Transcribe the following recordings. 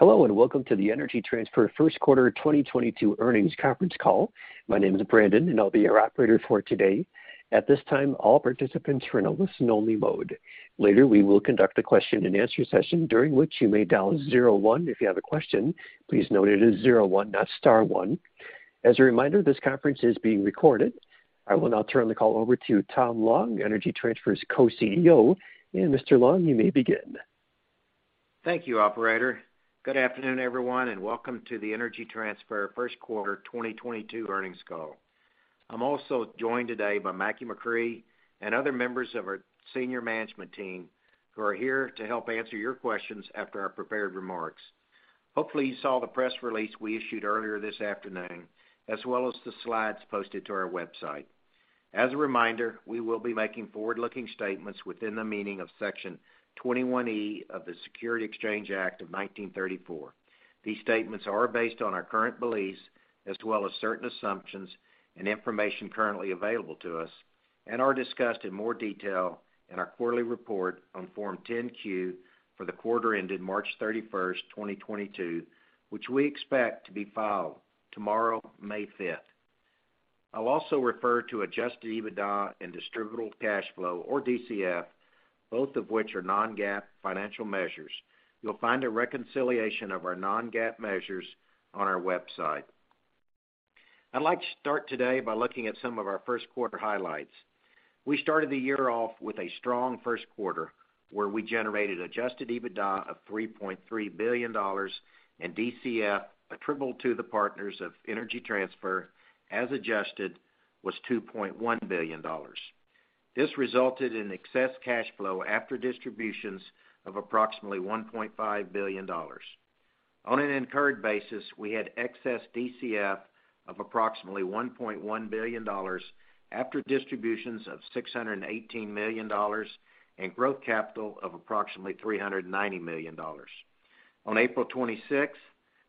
Hello, and welcome to the Energy Transfer first quarter 2022 earnings conference call. My name is Brandon, and I'll be your operator for today. At this time, all participants are in a listen-only mode. Later, we will conduct a question-and-answer session, during which you may dial zero one if you have a question. Please note it is zero one, not star one. As a reminder, this conference is being recorded. I will now turn the call over to Tom Long, Energy Transfer's co-CEO. Mr. Long, you may begin. Thank you, operator. Good afternoon, everyone, and welcome to the Energy Transfer first quarter 2022 earnings call. I'm also joined today by Mackie McCrea and other members of our senior management team who are here to help answer your questions after our prepared remarks. Hopefully, you saw the press release we issued earlier this afternoon, as well as the slides posted to our website. As a reminder, we will be making forward-looking statements within the meaning of Section 21E of the Securities Exchange Act of 1934. These statements are based on our current beliefs as well as certain assumptions and information currently available to us and are discussed in more detail in our quarterly report on Form 10-Q for the quarter ended March 31, 2022, which we expect to be filed tomorrow, May 5. I'll also refer to Adjusted EBITDA and Distributable cash flow or DCF, both of which are non-GAAP financial measures. You'll find a reconciliation of our non-GAAP measures on our website. I'd like to start today by looking at some of our first quarter highlights. We started the year off with a strong first quarter, where we generated Adjusted EBITDA of $3.3 billion and DCF attributable to the partners of Energy Transfer as Adjusted was $2.1 billion. This resulted in excess cash flow after distributions of approximately $1.5 billion. On an incurred basis, we had excess DCF of approximately $1.1 billion after distributions of $618 million and growth capital of approximately $390 million. On April 26th,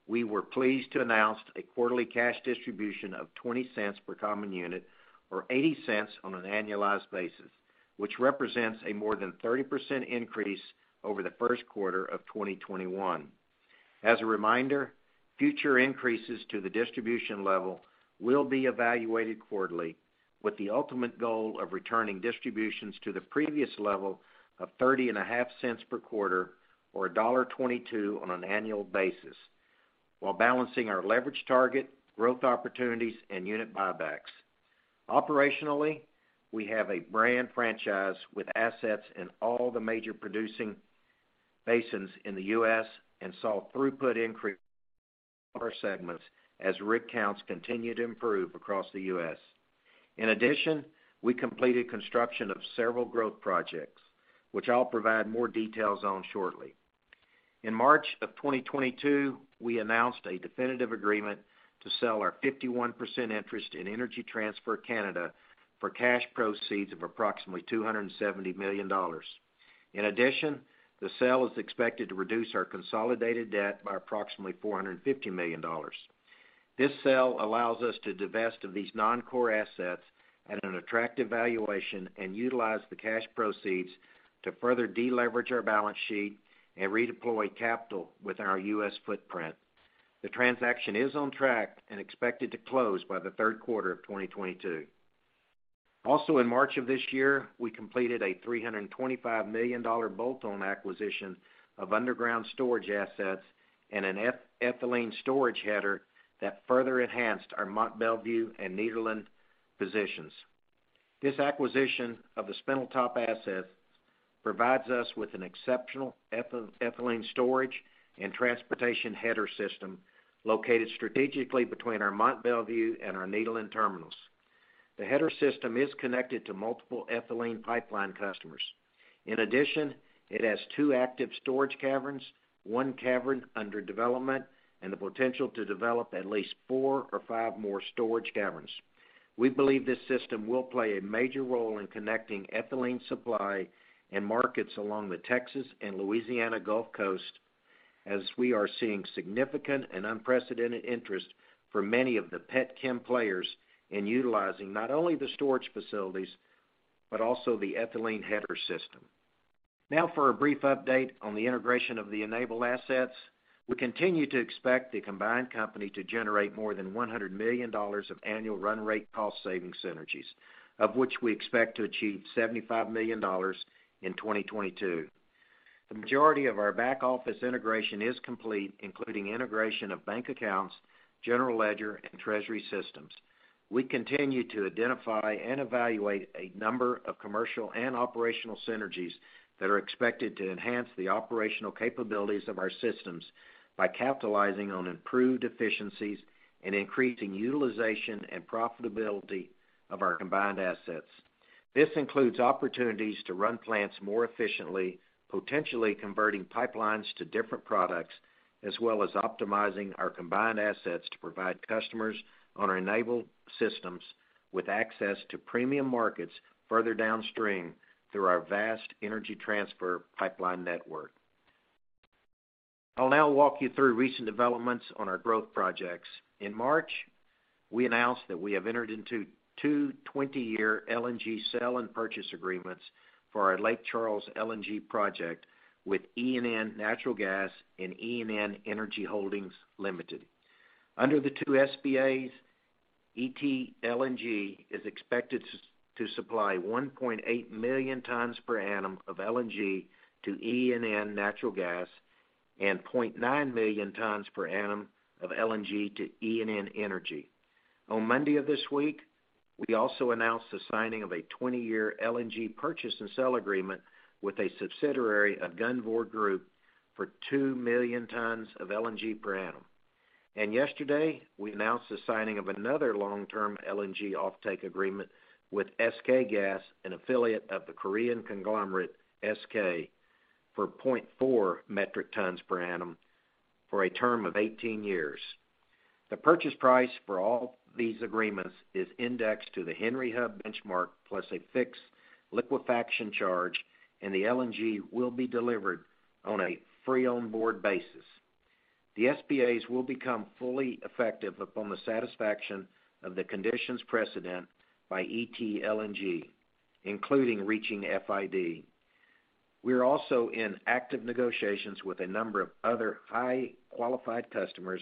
we were pleased to announce a quarterly cash distribution of $0.20 per common unit or $0.80 on an annualized basis, which represents a more than 30% increase over the first quarter of 2021. As a reminder, future increases to the distribution level will be evaluated quarterly with the ultimate goal of returning distributions to the previous level of $0.305 per quarter or $1.22 on an annual basis while balancing our leverage target, growth opportunities, and unit buybacks. Operationally, we have a broad franchise with assets in all the major producing basins in the U.S. and saw throughput increase in all our segments as rig counts continue to improve across the U.S. In addition, we completed construction of several growth projects, which I'll provide more details on shortly. In March of 2022, we announced a definitive agreement to sell our 51% interest in Energy Transfer Canada for cash proceeds of approximately $270 million. In addition, the sale is expected to reduce our consolidated debt by approximately $450 million. This sale allows us to divest of these non-core assets at an attractive valuation and utilize the cash proceeds to further deleverage our balance sheet and redeploy capital within our U.S. footprint. The transaction is on track and expected to close by the third quarter of 2022. Also, in March of this year, we completed a $325 million bolt-on acquisition of underground storage assets and an ethane-ethylene storage header that further enhanced our Mont Belvieu and Nederland positions. This acquisition of the Spindletop assets provides us with an exceptional ethylene storage and transportation header system located strategically between our Mont Belvieu and our Nederland terminals. The header system is connected to multiple ethylene pipeline customers. In addition, it has 2 active storage caverns, 1 cavern under development, and the potential to develop at least 4 or 5 more storage caverns. We believe this system will play a major role in connecting ethylene supply in markets along the Texas and Louisiana Gulf Coast, as we are seeing significant and unprecedented interest for many of the petchem players in utilizing not only the storage facilities, but also the ethylene header system. Now for a brief update on the integration of the Enable assets. We continue to expect the combined company to generate more than $100 million of annual run rate cost savings synergies, of which we expect to achieve $75 million in 2022. The majority of our back-office integration is complete, including integration of bank accounts, general ledger, and treasury systems. We continue to identify and evaluate a number of commercial and operational synergies that are expected to enhance the operational capabilities of our systems by capitalizing on improved efficiencies and increasing utilization and profitability of our combined assets. This includes opportunities to run plants more efficiently, potentially converting pipelines to different products, as well as optimizing our combined assets to provide customers on our Enable systems with access to premium markets further downstream through our vast Energy Transfer pipeline network. I'll now walk you through recent developments on our growth projects. In March, we announced that we have entered into two 20-year LNG sale and purchase agreements for our Lake Charles LNG project with ENN Natural Gas and ENN Energy Holdings Limited. Under the two SPAs, ET LNG is expected to supply 1.8 million tons per annum of LNG to ENN Natural Gas and 0.9 million tons per annum of LNG to ENN Energy. On Monday of this week, we also announced the signing of a 20-year LNG purchase and sale agreement with a subsidiary of Gunvor Group for 2 million tons of LNG per annum. Yesterday, we announced the signing of another long-term LNG offtake agreement with SK Gas, an affiliate of the Korean conglomerate SK, for 0.4 metric tons per annum for a term of 18 years. The purchase price for all these agreements is indexed to the Henry Hub benchmark plus a fixed liquefaction charge, and the LNG will be delivered on a free on board basis. The SPAs will become fully effective upon the satisfaction of the conditions precedent by ET LNG, including reaching FID. We are also in active negotiations with a number of other highly qualified customers,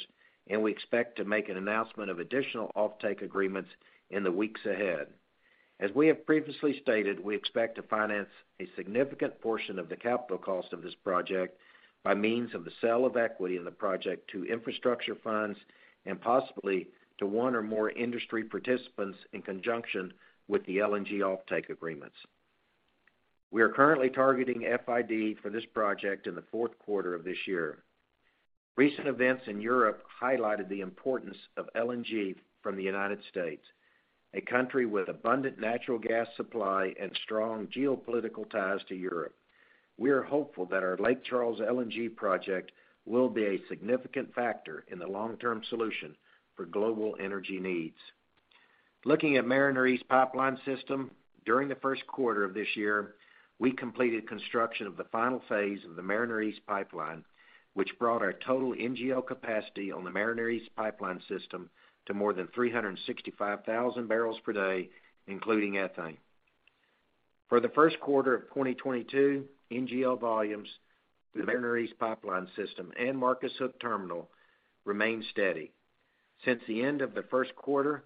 and we expect to make an announcement of additional offtake agreements in the weeks ahead. As we have previously stated, we expect to finance a significant portion of the capital cost of this project by means of the sale of equity in the project to infrastructure funds and possibly to one or more industry participants in conjunction with the LNG offtake agreements. We are currently targeting FID for this project in the fourth quarter of this year. Recent events in Europe highlighted the importance of LNG from the United States, a country with abundant natural gas supply and strong geopolitical ties to Europe. We are hopeful that our Lake Charles LNG project will be a significant factor in the long-term solution for global energy needs. Looking at Mariner East pipeline system, during the first quarter of this year, we completed construction of the final phase of the Mariner East pipeline, which brought our total NGL capacity on the Mariner East pipeline system to more than 365,000 barrels per day, including ethane. For the first quarter of 2022, NGL volumes through the Mariner East pipeline system and Marcus Hook terminal remained steady. Since the end of the first quarter,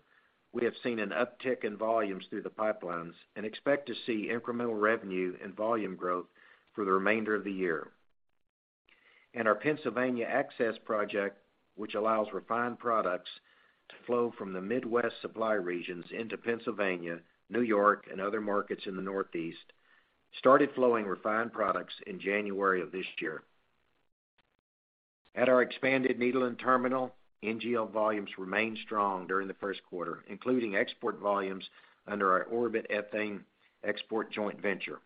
we have seen an uptick in volumes through the pipelines and expect to see incremental revenue and volume growth for the remainder of the year. Our Pennsylvania Access project, which allows refined products to flow from the Midwest supply regions into Pennsylvania, New York, and other markets in the Northeast, started flowing refined products in January of this year. At our expanded Nederland terminal, NGL volumes remained strong during the first quarter, including export volumes under our Orbit ethane export joint venture.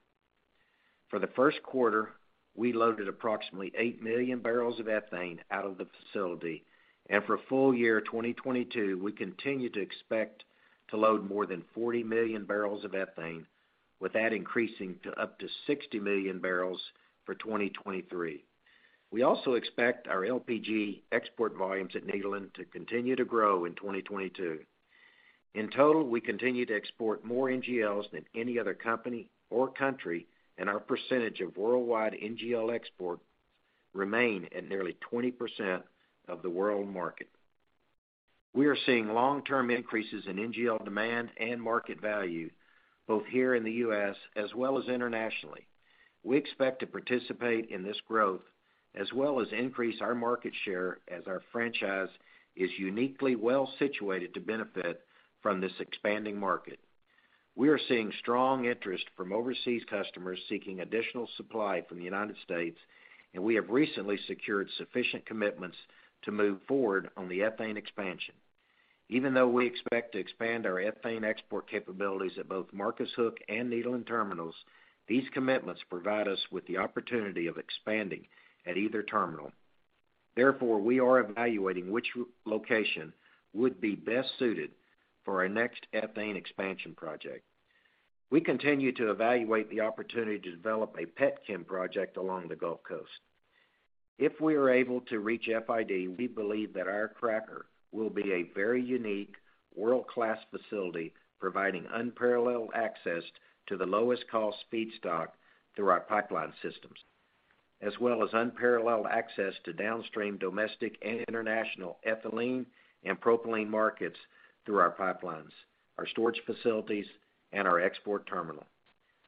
For the first quarter, we loaded approximately 8 million barrels of ethane out of the facility. For full-year 2022, we continue to expect to load more than 40 million barrels of ethane, with that increasing to up to 60 million barrels for 2023. We also expect our LPG export volumes at Nederland to continue to grow in 2022. In total, we continue to export more NGLs than any other company or country, and our percentage of worldwide NGL export remain at nearly 20% of the world market. We are seeing long-term increases in NGL demand and market value, both here in the U.S. as well as internationally. We expect to participate in this growth as well as increase our market share as our franchise is uniquely well situated to benefit from this expanding market. We are seeing strong interest from overseas customers seeking additional supply from the United States, and we have recently secured sufficient commitments to move forward on the ethane expansion. Even though we expect to expand our ethane export capabilities at both Marcus Hook and Nederland terminals, these commitments provide us with the opportunity of expanding at either terminal. Therefore, we are evaluating which location would be best suited for our next ethane expansion project. We continue to evaluate the opportunity to develop a petchem project along the Gulf Coast. If we are able to reach FID, we believe that our cracker will be a very unique world-class facility providing unparalleled access to the lowest cost feedstock through our pipeline systems, as well as unparalleled access to downstream domestic and international ethylene and propylene markets through our pipelines, our storage facilities, and our export terminal.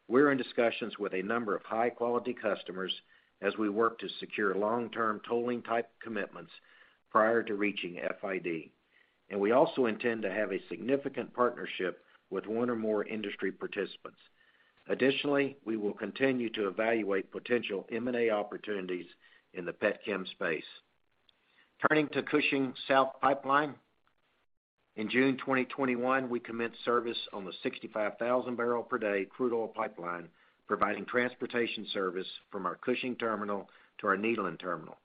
We're in discussions with a number of high-quality customers as we work to secure long-term tolling type commitments prior to reaching FID, and we also intend to have a significant partnership with one or more industry participants. Additionally, we will continue to evaluate potential M&A opportunities in the petchem space. Turning to Cushing South Pipeline. In June 2021, we commenced service on the 65,000-barrel-per-day crude oil pipeline, providing transportation service from our Cushing terminal to our Nederland terminal,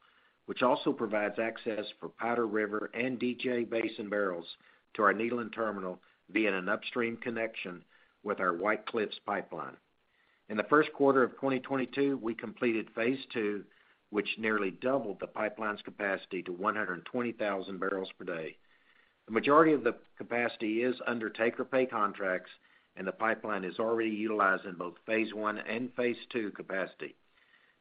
which also provides access for Powder River and DJ Basin barrels to our Nederland terminal via an upstream connection with our White Cliffs Pipeline. In the first quarter of 2022, we completed phase two, which nearly doubled the pipeline's capacity to 120,000 barrels per day. The majority of the capacity is under take-or-pay contracts, and the pipeline is already utilized in both phase one and phase two capacity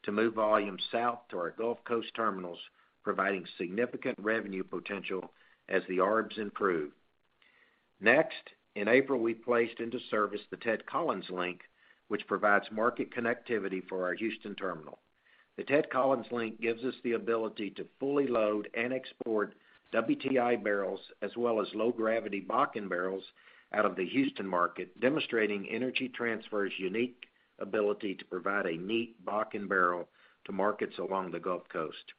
to move volume south to our Gulf Coast terminals, providing significant revenue potential as the arbs improve. Next, in April, we placed into service the Ted Collins Link, which provides market connectivity for our Houston terminal. The Ted Collins Link gives us the ability to fully load and export WTI barrels as well as low-gravity Bakken barrels out of the Houston market, demonstrating Energy Transfer's unique ability to provide a neat Bakken barrel to markets along the Gulf Coast.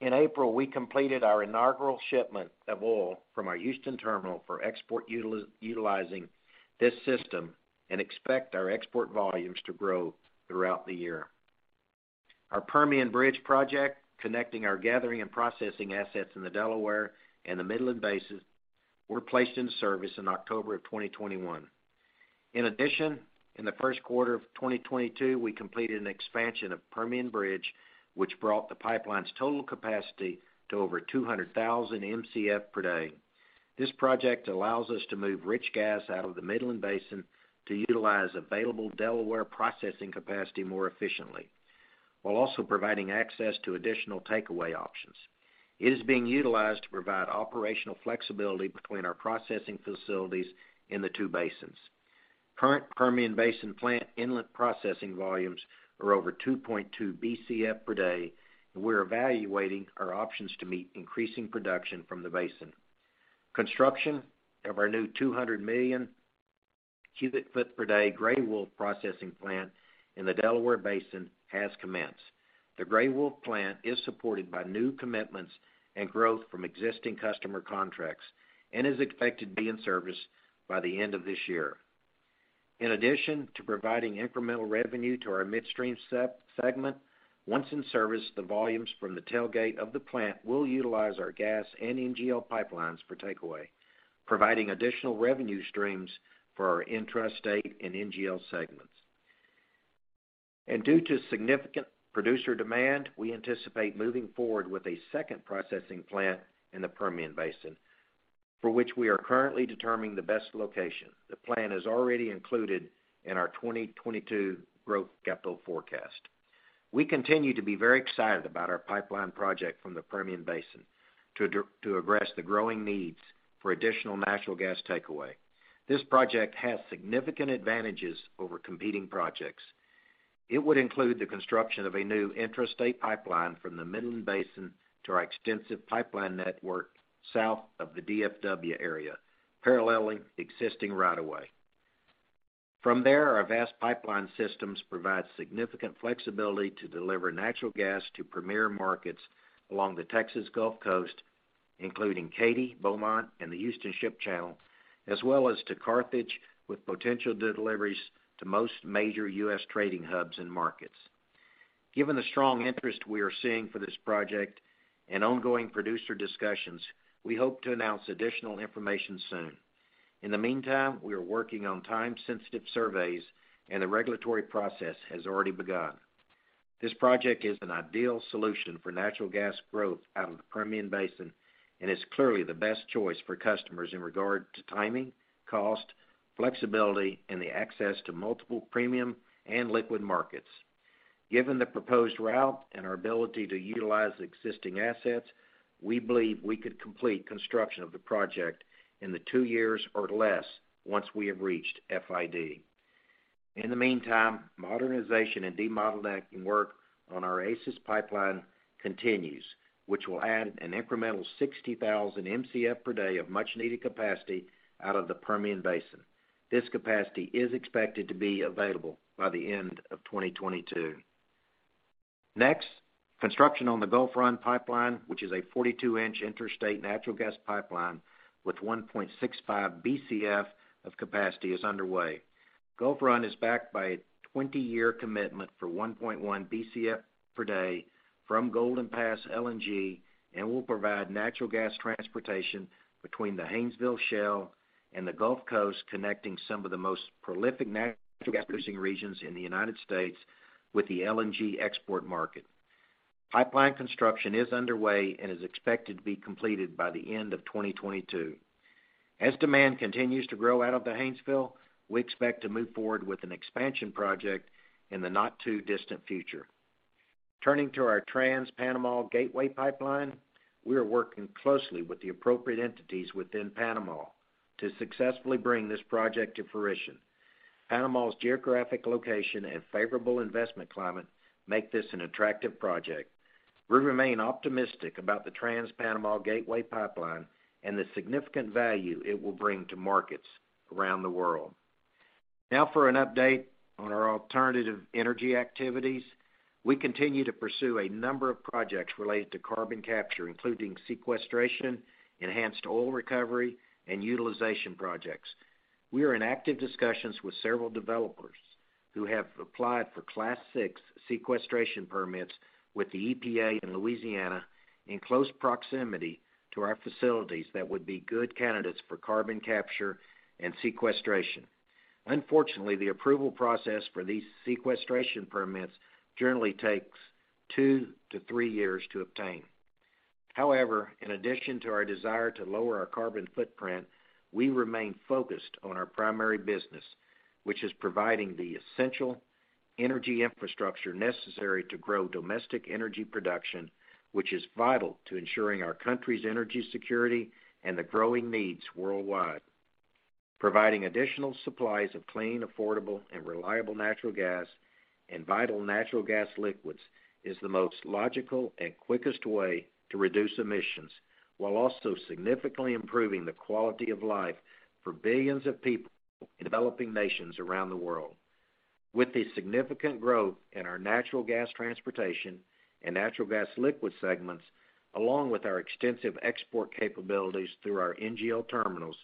In April, we completed our inaugural shipment of oil from our Houston terminal for export utilizing this system and expect our export volumes to grow throughout the year. Our Permian Bridge project, connecting our gathering and processing assets in the Delaware and the Midland Basins, were placed in service in October of 2021. In addition, in the first quarter of 2022, we completed an expansion of Permian Bridge, which brought the pipeline's total capacity to over 200,000 Mcf per day. This project allows us to move rich gas out of the Midland Basin to utilize available Delaware processing capacity more efficiently, while also providing access to additional takeaway options. It is being utilized to provide operational flexibility between our processing facilities in the two basins. Current Permian Basin plant inlet processing volumes are over 2.2 Bcf per day, and we're evaluating our options to meet increasing production from the basin. Construction of our new 200 million cubic foot per day Gray Wolf processing plant in the Delaware Basin has commenced. The Gray Wolf plant is supported by new commitments and growth from existing customer contracts and is expected to be in service by the end of this year. In addition to providing incremental revenue to our midstream segment, once in service, the volumes from the tailgate of the plant will utilize our gas and NGL pipelines for takeaway, providing additional revenue streams for our intrastate and NGL segments. Due to significant producer demand, we anticipate moving forward with a second processing plant in the Permian Basin, for which we are currently determining the best location. The plan is already included in our 2022 growth capital forecast. We continue to be very excited about our pipeline project from the Permian Basin to address the growing needs for additional natural gas takeaway. This project has significant advantages over competing projects. It would include the construction of a new intrastate pipeline from the Midland Basin to our extensive pipeline network south of the DFW area, paralleling existing right of way. From there, our vast pipeline systems provide significant flexibility to deliver natural gas to premier markets along the Texas Gulf Coast, including Katy, Beaumont, and the Houston Ship Channel, as well as to Carthage, with potential deliveries to most major U.S. trading hubs and markets. Given the strong interest we are seeing for this project and ongoing producer discussions, we hope to announce additional information soon. In the meantime, we are working on time-sensitive surveys, and the regulatory process has already begun. This project is an ideal solution for natural gas growth out of the Permian Basin and is clearly the best choice for customers in regard to timing, cost, flexibility, and the access to multiple premium and liquid markets. Given the proposed route and our ability to utilize existing assets, we believe we could complete construction of the project in 2 years or less once we have reached FID. In the meantime, modernization and debottlenecking work on our Oasis Pipeline continues, which will add an incremental 60,000 Mcf per day of much-needed capacity out of the Permian Basin. This capacity is expected to be available by the end of 2022. Next, construction on the Gulf Run pipeline, which is a 42-inch interstate natural gas pipeline with 1.65 Bcf of capacity, is underway. Gulf Run is backed by a 20-year commitment for 1.1 Bcf per day from Golden Pass LNG and will provide natural gas transportation between the Haynesville Shale and the Gulf Coast, connecting some of the most prolific natural gas producing regions in the United States with the LNG export market. Pipeline construction is underway and is expected to be completed by the end of 2022. As demand continues to grow out of the Haynesville, we expect to move forward with an expansion project in the not-too-distant future. Turning to our Trans-Panama Gateway Pipeline, we are working closely with the appropriate entities within Panama to successfully bring this project to fruition. Panama's geographic location and favorable investment climate make this an attractive project. We remain optimistic about the Trans-Panama Gateway Pipeline and the significant value it will bring to markets around the world. Now for an update on our alternative energy activities. We continue to pursue a number of projects related to carbon capture, including sequestration, enhanced oil recovery, and utilization projects. We are in active discussions with several developers who have applied for Class VI sequestration permits with the EPA in Louisiana in close proximity to our facilities that would be good candidates for carbon capture and sequestration. Unfortunately, the approval process for these sequestration permits generally takes 2-3 years to obtain. However, in addition to our desire to lower our carbon footprint, we remain focused on our primary business, which is providing the essential energy infrastructure necessary to grow domestic energy production, which is vital to ensuring our country's energy security and the growing needs worldwide. Providing additional supplies of clean, affordable, and reliable natural gas and vital natural gas liquids is the most logical and quickest way to reduce emissions while also significantly improving the quality of life for billions of people in developing nations around the world. With the significant growth in our natural gas transportation and natural gas liquid segments, along with our extensive export capabilities through our NGL terminals,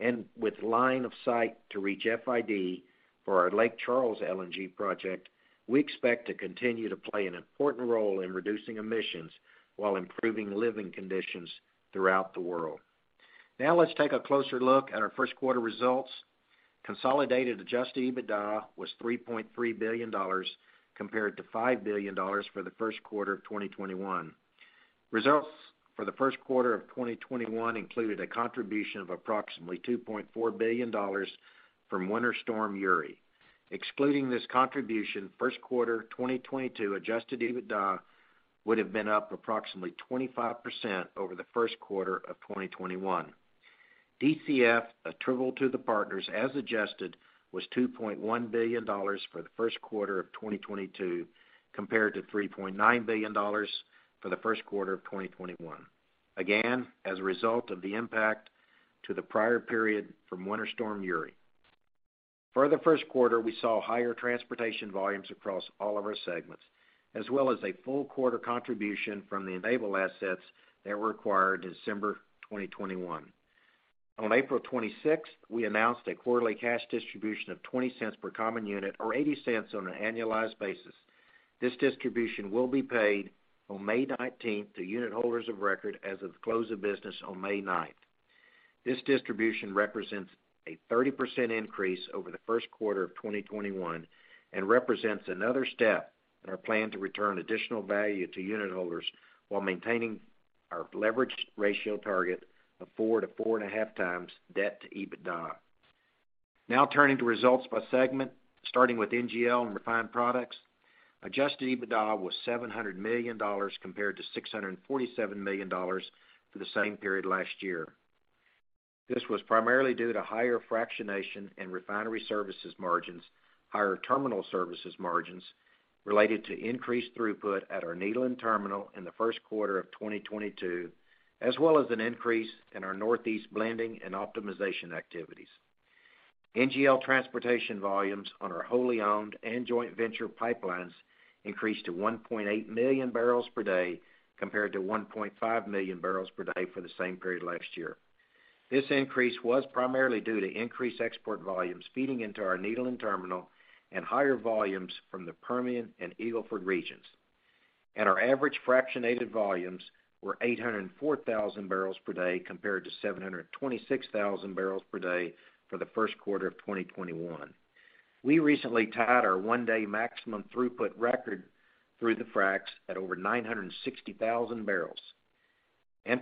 and with line of sight to reach FID for our Lake Charles LNG project, we expect to continue to play an important role in reducing emissions while improving living conditions throughout the world. Now let's take a closer look at our first quarter results. Consolidated Adjusted EBITDA was $3.3 billion compared to $5 billion for the first quarter of 2021. Results for the first quarter of 2021 included a contribution of approximately $2.4 billion from Winter Storm Uri. Excluding this contribution, first quarter 2022 Adjusted EBITDA would have been up approximately 25% over the first quarter of 2021. DCF attributable to the partners as adjusted was $2.1 billion for the first quarter of 2022 compared to $3.9 billion for the first quarter of 2021. Again, as a result of the impact to the prior period from Winter Storm Uri. For the first quarter, we saw higher transportation volumes across all of our segments, as well as a full quarter contribution from the Enable assets that were acquired in December 2021. On April 26, we announced a quarterly cash distribution of $0.20 per common unit or $0.80 on an annualized basis. This distribution will be paid on May 19 to unit holders of record as of the close of business on May 9. This distribution represents a 30% increase over the first quarter of 2021 and represents another step in our plan to return additional value to unit holders while maintaining our leverage ratio target of 4-4.5x debt to EBITDA. Now turning to results by segment, starting with NGL and refined products. Adjusted EBITDA was $700 million compared to $647 million for the same period last year. This was primarily due to higher fractionation and refinery services margins, higher terminal services margins related to increased throughput at our Nederland terminal in the first quarter of 2022, as well as an increase in our Northeast blending and optimization activities. NGL transportation volumes on our wholly owned and joint venture pipelines increased to 1.8 million barrels per day compared to 1.5 million barrels per day for the same period last year. This increase was primarily due to increased export volumes feeding into our Nederland terminal and higher volumes from the Permian and Eagle Ford regions. Our average fractionated volumes were 804,000 barrels per day compared to 726,000 barrels per day for the first quarter of 2021. We recently tied our one-day maximum throughput record through the fracs at over 960,000 barrels.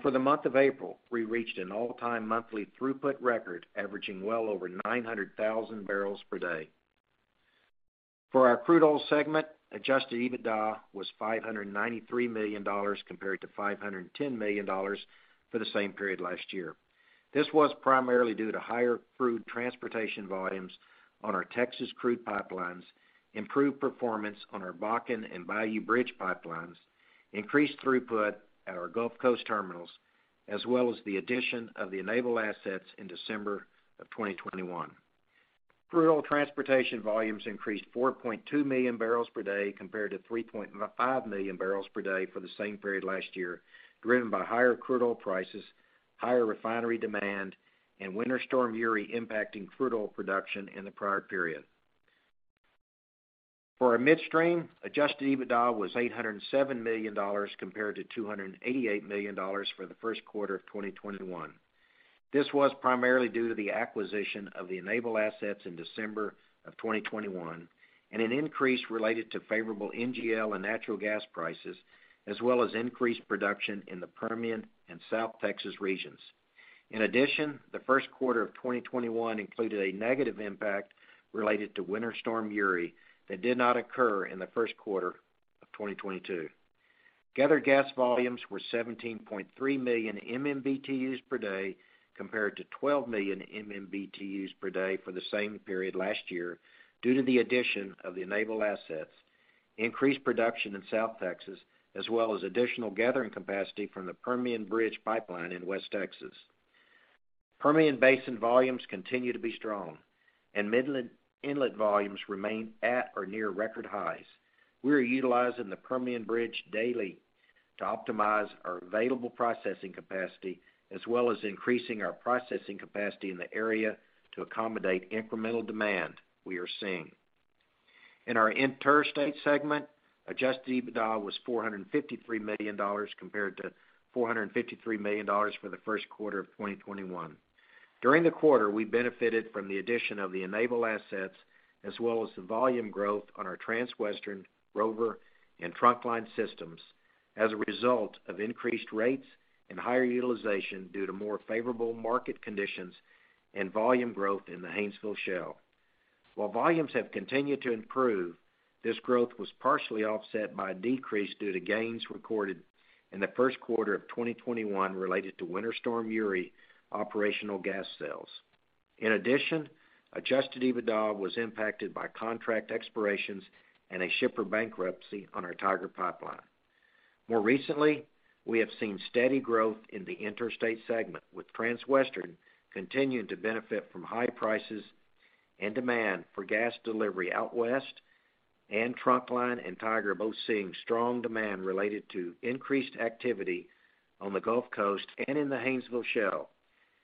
For the month of April, we reached an all-time monthly throughput record averaging well over 900,000 barrels per day. For our crude oil segment, Adjusted EBITDA was $593 million compared to $510 million for the same period last year. This was primarily due to higher crude transportation volumes on our Texas crude pipelines, improved performance on our Bakken and Bayou Bridge pipelines, increased throughput at our Gulf Coast terminals, as well as the addition of the Enable assets in December of 2021. Crude oil transportation volumes increased 4.2 million barrels per day compared to 3.5 million barrels per day for the same period last year, driven by higher crude oil prices, higher refinery demand, and Winter Storm Uri impacting crude oil production in the prior period. For our midstream, Adjusted EBITDA was $807 million compared to $288 million for the first quarter of 2021. This was primarily due to the acquisition of the Enable assets in December of 2021 and an increase related to favorable NGL and natural gas prices, as well as increased production in the Permian and South Texas regions. In addition, the first quarter of 2021 included a negative impact related to Winter Storm Uri that did not occur in the first quarter of 2022. Gathered gas volumes were 17.3 million MMBtus per day compared to 12 million MMBtus per day for the same period last year due to the addition of the Enable assets, increased production in South Texas, as well as additional gathering capacity from the Permian Bridge Pipeline in West Texas. Permian Basin volumes continue to be strong, and Midland Inlet volumes remain at or near record highs. We are utilizing the Permian Bridge daily to optimize our available processing capacity as well as increasing our processing capacity in the area to accommodate incremental demand we are seeing. In our interstate segment, Adjusted EBITDA was $453 million compared to $453 million for the first quarter of 2021. During the quarter, we benefited from the addition of the Enable assets as well as the volume growth on our Transwestern, Rover, and Trunkline systems as a result of increased rates and higher utilization due to more favorable market conditions and volume growth in the Haynesville Shale. While volumes have continued to improve, this growth was partially offset by a decrease due to gains recorded in the first quarter of 2021 related to Winter Storm Uri operational gas sales. In addition, Adjusted EBITDA was impacted by contract expirations and a shipper bankruptcy on our Tiger Pipeline. More recently, we have seen steady growth in the interstate segment, with Transwestern continuing to benefit from high prices and demand for gas delivery out west, and Trunkline and Tiger both seeing strong demand related to increased activity on the Gulf Coast and in the Haynesville Shale.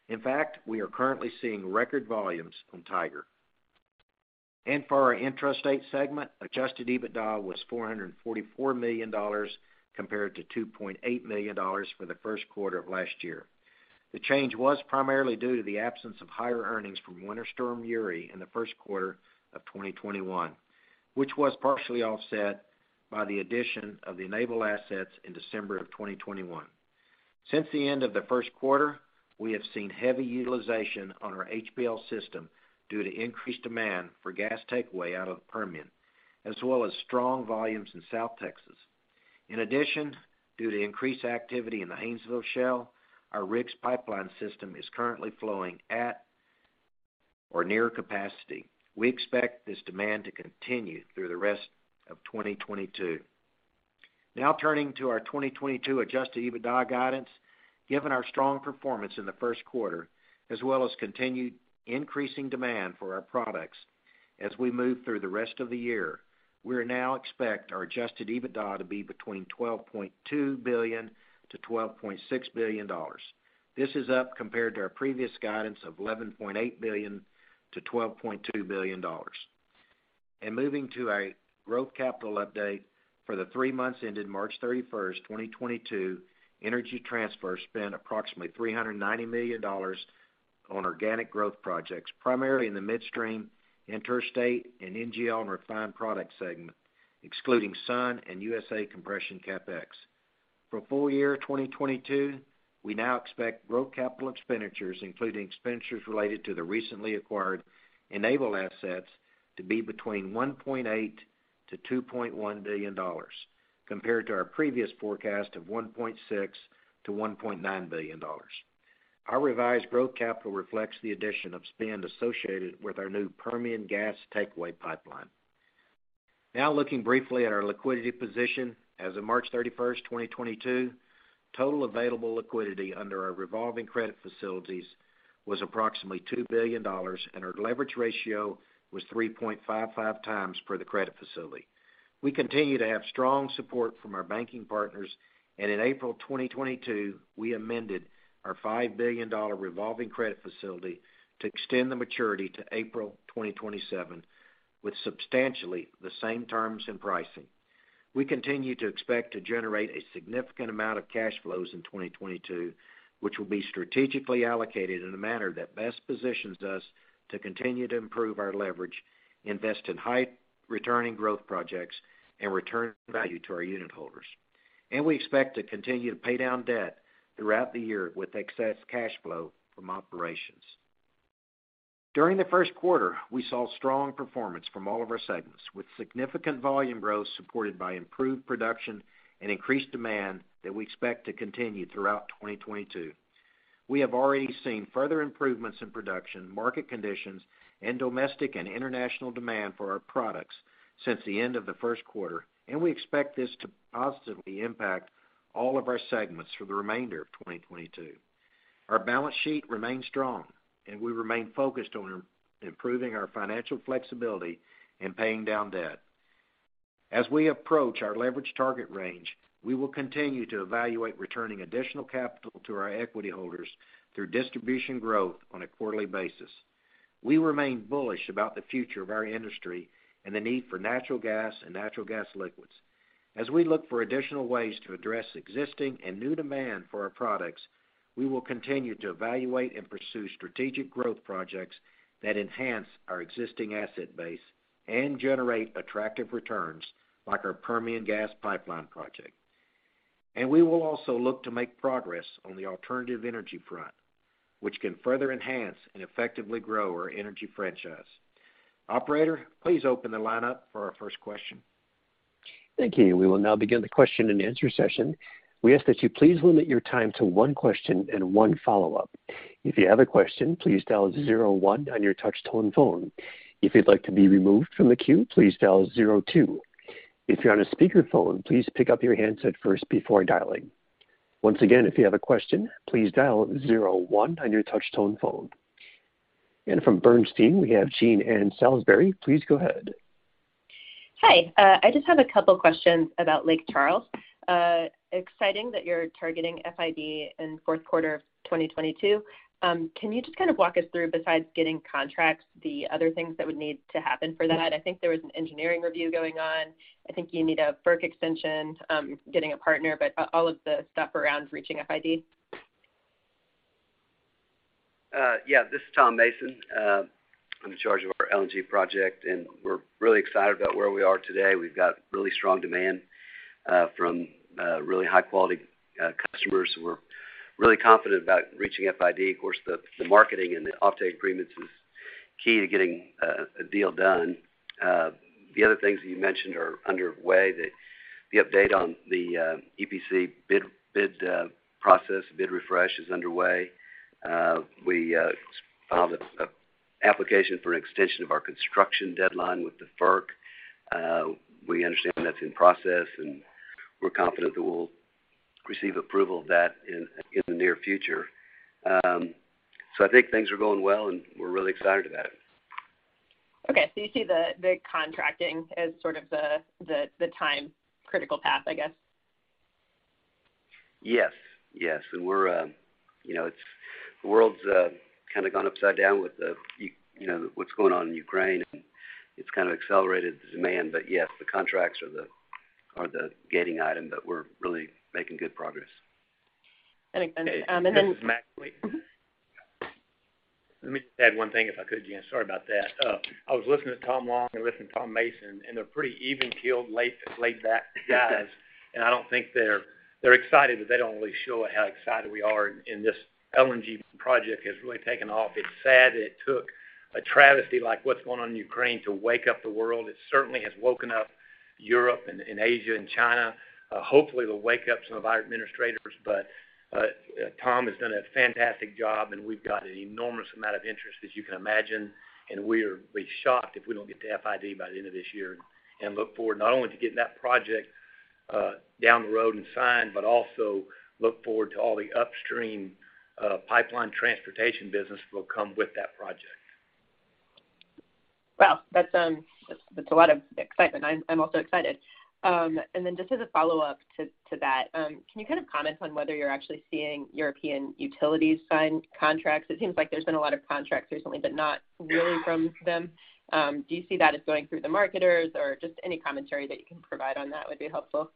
In fact, we are currently seeing record volumes on Tiger. For our intrastate segment, Adjusted EBITDA was $444 million compared to $2.8 million for the first quarter of last year. The change was primarily due to the absence of higher earnings from Winter Storm Uri in the first quarter of 2021, which was partially offset by the addition of the Enable assets in December 2021. Since the end of the first quarter, we have seen heavy utilization on our HPL system due to increased demand for gas takeaway out of the Permian, as well as strong volumes in South Texas. In addition, due to increased activity in the Haynesville Shale, our RIGS Pipeline system is currently flowing at or near capacity. We expect this demand to continue through the rest of 2022. Now turning to our 2022 Adjusted EBITDA guidance. Given our strong performance in the first quarter as well as continued increasing demand for our products as we move through the rest of the year, we now expect our Adjusted EBITDA to be between $12.2 billion-$12.6 billion. This is up compared to our previous guidance of $11.8 billion-$12.2 billion. Moving to our growth capital update. For the three months ended March 31st, 2022, Energy Transfer spent approximately $390 million on organic growth projects, primarily in the midstream, interstate, and NGL and refined products segment, excluding Sun and USA Compression CapEx. For full year 2022, we now expect growth capital expenditures, including expenditures related to the recently acquired Enable assets, to be between $1.8 billion-$2.1 billion, compared to our previous forecast of $1.6 billion-$1.9 billion. Our revised growth capital reflects the addition of spend associated with our new Permian gas takeaway pipeline. Now looking briefly at our liquidity position. As of March 31st, 2022, total available liquidity under our revolving credit facilities was approximately $2 billion, and our leverage ratio was 3.55 times for the credit facility. We continue to have strong support from our banking partners, and in April 2022, we amended our $5 billion revolving credit facility to extend the maturity to April 2027 with substantially the same terms and pricing. We continue to expect to generate a significant amount of cash flows in 2022, which will be strategically allocated in a manner that best positions us to continue to improve our leverage, invest in high returning growth projects, and return value to our unit holders. We expect to continue to pay down debt throughout the year with excess cash flow from operations. During the first quarter, we saw strong performance from all of our segments, with significant volume growth supported by improved production and increased demand that we expect to continue throughout 2022. We have already seen further improvements in production, market conditions, and domestic and international demand for our products since the end of the first quarter, and we expect this to positively impact all of our segments for the remainder of 2022. Our balance sheet remains strong, and we remain focused on improving our financial flexibility and paying down debt. As we approach our leverage target range, we will continue to evaluate returning additional capital to our equity holders through distribution growth on a quarterly basis. We remain bullish about the future of our industry and the need for natural gas and natural gas liquids. As we look for additional ways to address existing and new demand for our products, we will continue to evaluate and pursue strategic growth projects that enhance our existing asset base and generate attractive returns, like our Permian gas pipeline project. We will also look to make progress on the alternative energy front, which can further enhance and effectively grow our energy franchise. Operator, please open the line up for our first question. Thank you. We will now begin the question-and-answer session. We ask that you please limit your time to one question and one follow-up. If you have a question, please dial zero one on your touch tone phone. If you'd like to be removed from the queue, please dial zero two. If you're on a speaker phone, please pick up your handset first before dialing. Once again, if you have a question, please dial zero one on your touch tone phone. From Bernstein, we have Jean Ann Salisbury. Please go ahead. Hi. I just have a couple questions about Lake Charles. Exciting that you're targeting FID in fourth quarter of 2022. Can you just kind of walk us through, besides getting contracts, the other things that would need to happen for that? I think there was an engineering review going on. I think you need a FERC extension, getting a partner, but all of the stuff around reaching FID. This is Tom Mason. I'm in charge of our LNG project, and we're really excited about where we are today. We've got really strong demand from really high quality customers who are really confident about reaching FID. Of course, the marketing and the offtake agreements is key to getting a deal done. The other things that you mentioned are underway. The update on the EPC bid process, bid refresh is underway. We filed an application for an extension of our construction deadline with the FERC. We understand that's in process, and we're confident that we'll receive approval of that in the near future. I think things are going well, and we're really excited about it. Okay. You see the contracting as sort of the time-critical path, I guess? Yes. Yes. We're, you know, it's the world's kind of gone upside down with you know what's going on in Ukraine, and it's kind of accelerated demand. Yes, the contracts are the gating item, but we're really making good progress. And again, um, and then- This is Mackie. Wait. Mm-hmm. Let me just add one thing if I could, Jean. Sorry about that. I was listening to Tom Long and listening to Tom Mason, and they're pretty even-keeled, laidback guys. I don't think they're excited, but they don't really show it how excited we are in this LNG project has really taken off. It's sad that it took a travesty like what's going on in Ukraine to wake up the world. It certainly has woken up Europe and Asia and China. Hopefully it'll wake up some of our administrators. Tom has done a fantastic job, and we've got an enormous amount of interest as you can imagine. We'd be shocked if we don't get to FID by the end of this year. Look forward not only to getting that project down the road and signed, but also to all the upstream pipeline transportation business that will come with that project. Wow. That's a lot of excitement. I'm also excited. Just as a follow-up to that, can you kind of comment on whether you're actually seeing European utilities sign contracts? It seems like there's been a lot of contracts recently, but not really from them. Do you see that as going through the marketers, or just any commentary that you can provide on that would be helpful.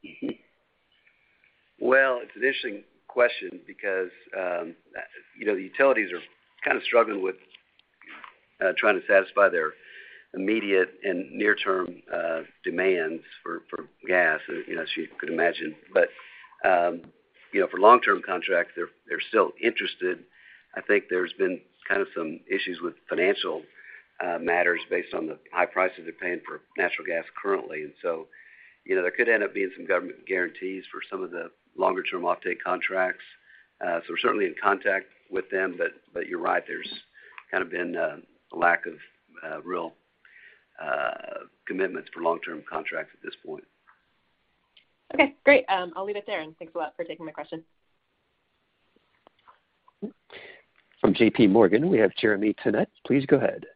Well, it's an interesting question because, you know, the utilities are kind of struggling with trying to satisfy their immediate and near-term demands for gas, as you know, as you could imagine. You know, for long-term contracts, they're still interested. I think there's been kind of some issues with financial matters based on the high prices they're paying for natural gas currently. You know, there could end up being some government guarantees for some of the longer term offtake contracts. We're certainly in contact with them, but you're right, there's kind of been a lack of real commitments for long-term contracts at this point. Okay, great. I'll leave it there, and thanks a lot for taking my question. From J.P. Morgan, we have Jeremy Tonet. Please go ahead.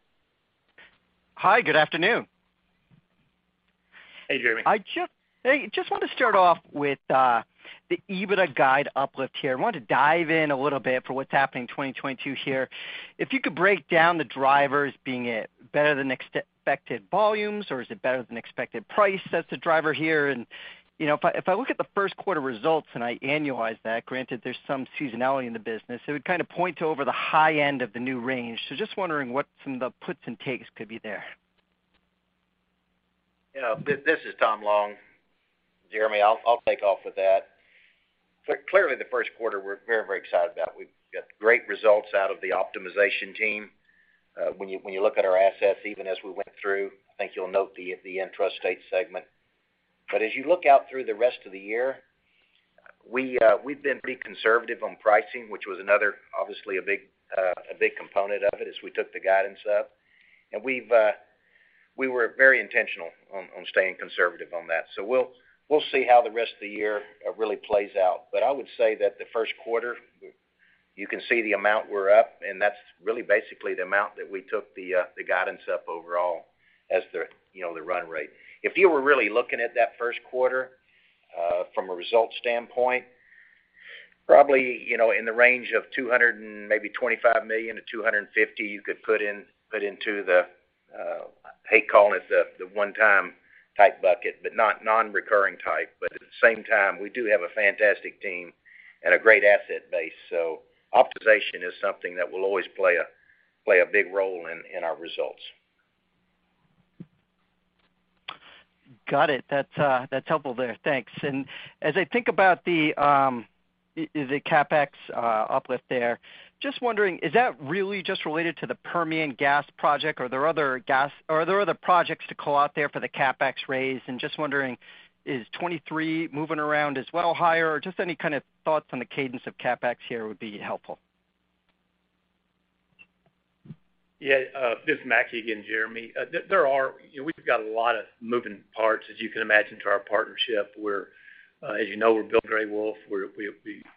Hi. Good afternoon. Hey, Jeremy. I just want to start off with the EBITDA guide uplift here. I want to dive in a little bit for what's happening in 2022 here. If you could break down the drivers, being it better than expected volumes, or is it better than expected price that's the driver here? You know, if I look at the first quarter results and I annualize that, granted there's some seasonality in the business, it would kind of point to over the high end of the new range. Just wondering what some of the puts and takes could be there. You know, this is Tom Long. Jeremy, I'll take off with that. Clearly, the first quarter we're very excited about. We've got great results out of the optimization team. When you look at our assets, even as we went through, I think you'll note the intrastate segment. As you look out through the rest of the year, we've been pretty conservative on pricing, which was another, obviously, a big component of it as we took the guidance up. We were very intentional on staying conservative on that. We'll see how the rest of the year really plays out. I would say that the first quarter, you can see the amount we're up, and that's really basically the amount that we took the guidance up overall as the, you know, the run rate. If you were really looking at that first quarter from a results standpoint, probably, you know, in the range of $225 million-$250 million, you could put into the, I hate calling it the one-time type bucket, but not non-recurring type. At the same time, we do have a fantastic team and a great asset base. Optimization is something that will always play a big role in our results. Got it. That's helpful there. Thanks. As I think about the CapEx uplift there, just wondering, is that really just related to the Permian gas project? Are there other projects to call out there for the CapEx raise? Just wondering, is 23 moving around as well higher? Or just any kind of thoughts on the cadence of CapEx here would be helpful. Yeah. This is Mackie again, Jeremy. There are. You know, we've got a lot of moving parts, as you can imagine, to our partnership. As you know, we're building Gray Wolf. We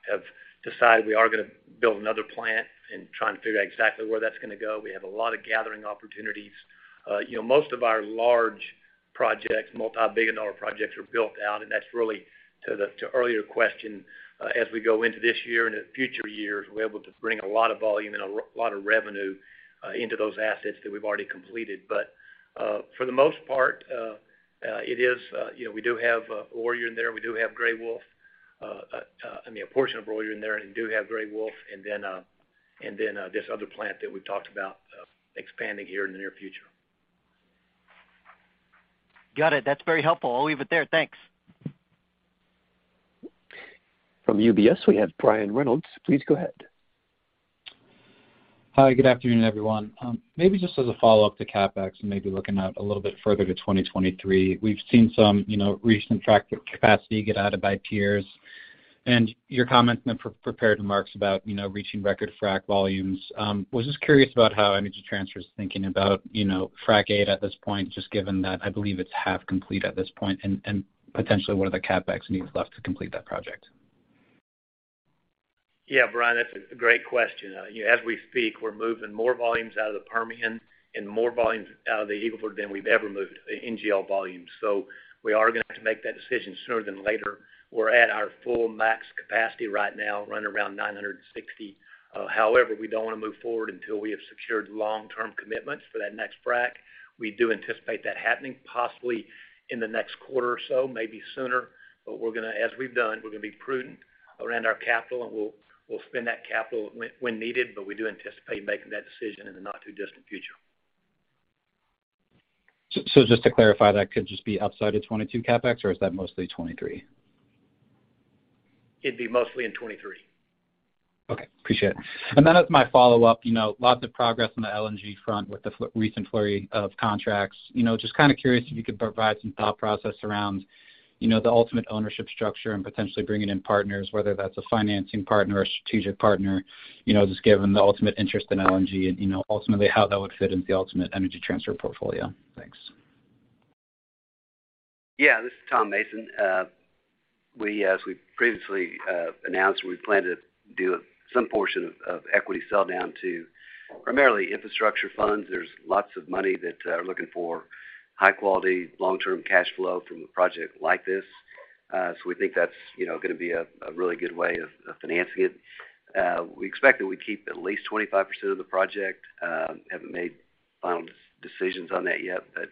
have decided we are gonna build another plant and trying to figure out exactly where that's gonna go. We have a lot of gathering opportunities. You know, most of our large projects, multi-billion-dollar projects are built out, and that's really to the earlier question, as we go into this year and in future years, we're able to bring a lot of volume and a lot of revenue into those assets that we've already completed. For the most part, it is, you know, we do have Warrior in there, we do have Gray Wolf. I mean, a portion of Warrior in there, and we do have Gray Wolf, and then this other plant that we talked about expanding here in the near future. Got it. That's very helpful. I'll leave it there. Thanks. From UBS, we have Brian Reynolds. Please go ahead. Hi, good afternoon, everyone. Maybe just as a follow-up to CapEx and maybe looking out a little bit further to 2023. We've seen some, you know, recent attractive capacity get added by peers. Your comments in the prepared remarks about, you know, reaching record frac volumes. Was just curious about how Energy Transfer is thinking about, you know, Frac 8 at this point, just given that I believe it's half complete at this point, and potentially what are the CapEx needs left to complete that project? Yeah, Brian, that's a great question. You know, as we speak, we're moving more volumes out of the Permian and more volumes out of the Eagle Ford than we've ever moved in NGL volumes. We are gonna have to make that decision sooner than later. We're at our full max capacity right now, running around 960. However, we don't wanna move forward until we have secured long-term commitments for that next frac. We do anticipate that happening possibly in the next quarter or so, maybe sooner. As we've done, we're gonna be prudent around our capital, and we'll spend that capital when needed, but we do anticipate making that decision in the not too distant future. Just to clarify, that could just be outside of 2022 CapEx or is that mostly 2023? It'd be mostly in 2023. Okay. Appreciate it. Then as my follow-up, you know, lots of progress on the LNG front with the recent flurry of contracts. You know, just kind of curious if you could provide some thought process around, you know, the ultimate ownership structure and potentially bringing in partners, whether that's a financing partner or a strategic partner, you know, just given the ultimate interest in LNG and, you know, ultimately how that would fit into the ultimate Energy Transfer portfolio. Thanks. Yeah. This is Tom Mason. As we previously announced, we plan to do some portion of equity sell down to primarily infrastructure funds. There's lots of money that are looking for high quality, long-term cash flow from a project like this. We think that's, you know, gonna be a really good way of financing it. We expect that we keep at least 25% of the project. Haven't made final decisions on that yet, but,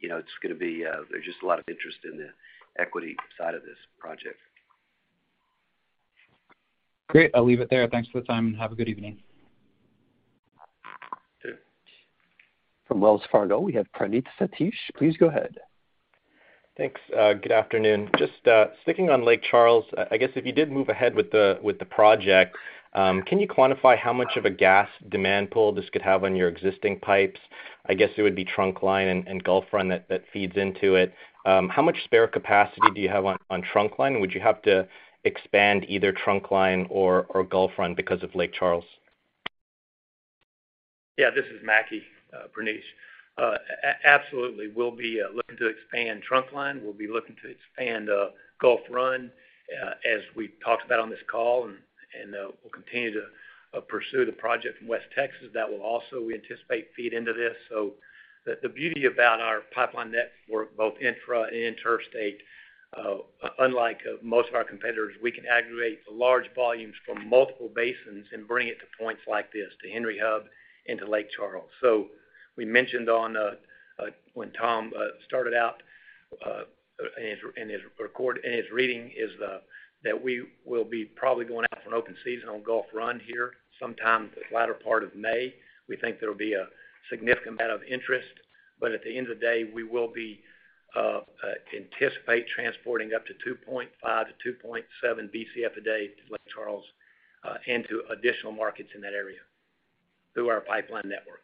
you know, it's gonna be. There's just a lot of interest in the equity side of this project. Great. I'll leave it there. Thanks for the time, and have a good evening. Okay. From Wells Fargo, we have Praneeth Satish. Please go ahead. Thanks. Good afternoon. Just sticking on Lake Charles, I guess if you did move ahead with the project, can you quantify how much of a gas demand pull this could have on your existing pipes? I guess it would be Trunkline and Gulf Run that feeds into it. How much spare capacity do you have on Trunkline? Would you have to expand either Trunkline or Gulf Run because of Lake Charles? Yeah, this is Mackie, Praneeth. Absolutely. We'll be looking to expand Trunkline. We'll be looking to expand Gulf Run, as we talked about on this call, and we'll continue to pursue the project from West Texas. That will also, we anticipate, feed into this. The beauty about our pipeline network, both intra and interstate, unlike most of our competitors, we can aggregate the large volumes from multiple basins and bring it to points like this, to Henry Hub and to Lake Charles. We mentioned, when Tom started out, in his reading that we will be probably going out for an open season on Gulf Run here sometime the latter part of May. We think there'll be a significant amount of interest. At the end of the day, we anticipate transporting up to 2.5-2.7 Bcf a day to Lake Charles and to additional markets in that area through our pipeline network.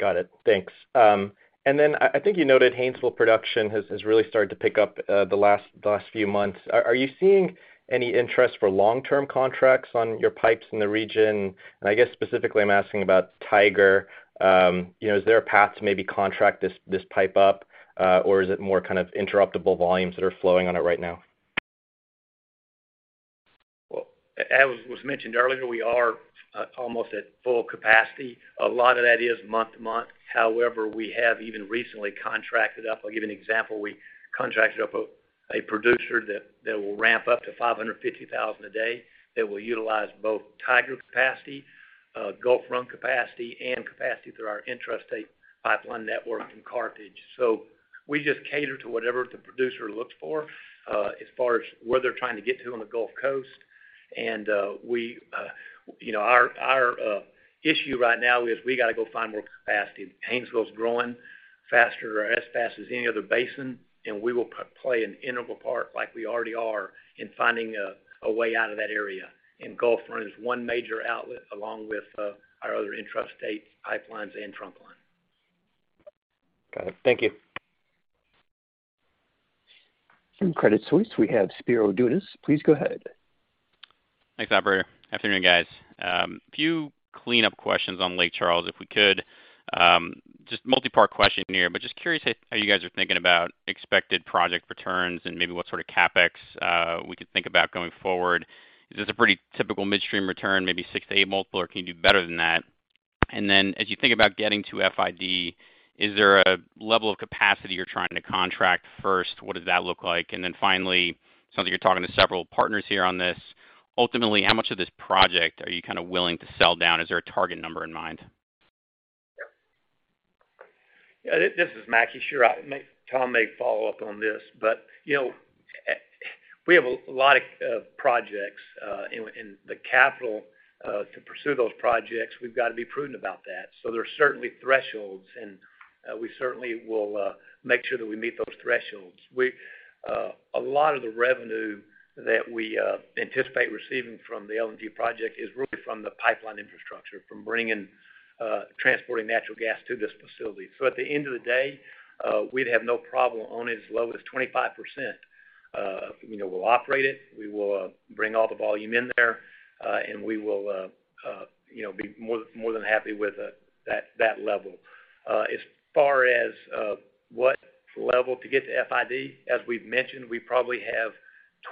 Got it. Thanks. I think you noted Haynesville production has really started to pick up the last few months. Are you seeing any interest for long-term contracts on your pipes in the region? I guess specifically I'm asking about Tiger. You know, is there a path to maybe contract this pipe up, or is it more kind of interruptible volumes that are flowing on it right now? Well, as was mentioned earlier, we are almost at full capacity. A lot of that is month to month. However, we have even recently contracted up. I'll give you an example. We contracted up a producer that will ramp up to 550,000 a day, that will utilize both Tiger capacity, Gulf Run capacity, and capacity through our intrastate pipeline network in Carthage. We just cater to whatever the producer looks for, as far as where they're trying to get to on the Gulf Coast. We, you know, our issue right now is we gotta go find more capacity. Haynesville is growing faster or as fast as any other basin, and we will play an integral part like we already are in finding a way out of that area. Gulf Run is one major outlet along with our other intrastate pipelines and Trunkline. Got it. Thank you. From Credit Suisse, we have Spiro Dounis. Please go ahead. Thanks, operator. Afternoon, guys. A few cleanup questions on Lake Charles, if we could. Just multi-part question here, but just curious how you guys are thinking about expected project returns and maybe what sort of CapEx we could think about going forward. Is this a pretty typical midstream return, maybe 6x-8x multiple, or can you do better than that? Then as you think about getting to FID, is there a level of capacity you're trying to contract first? What does that look like? And then finally, it sounds like you're talking to several partners here on this. Ultimately, how much of this project are you kind of willing to sell down? Is there a target number in mind? Yeah, this is Mackie. Sure. Tom Long may follow up on this, but you know, we have a lot of projects and the capital to pursue those projects. We've got to be prudent about that. There are certainly thresholds, and we certainly will make sure that we meet those thresholds. A lot of the revenue that we anticipate receiving from the LNG project is really from the pipeline infrastructure, from bringing transporting natural gas to this facility. At the end of the day, we'd have no problem owning as low as 25%. You know, we'll operate it. We will bring all the volume in there, and we will, you know, be more than happy with that level. As far as what level to get to FID, as we've mentioned, we probably have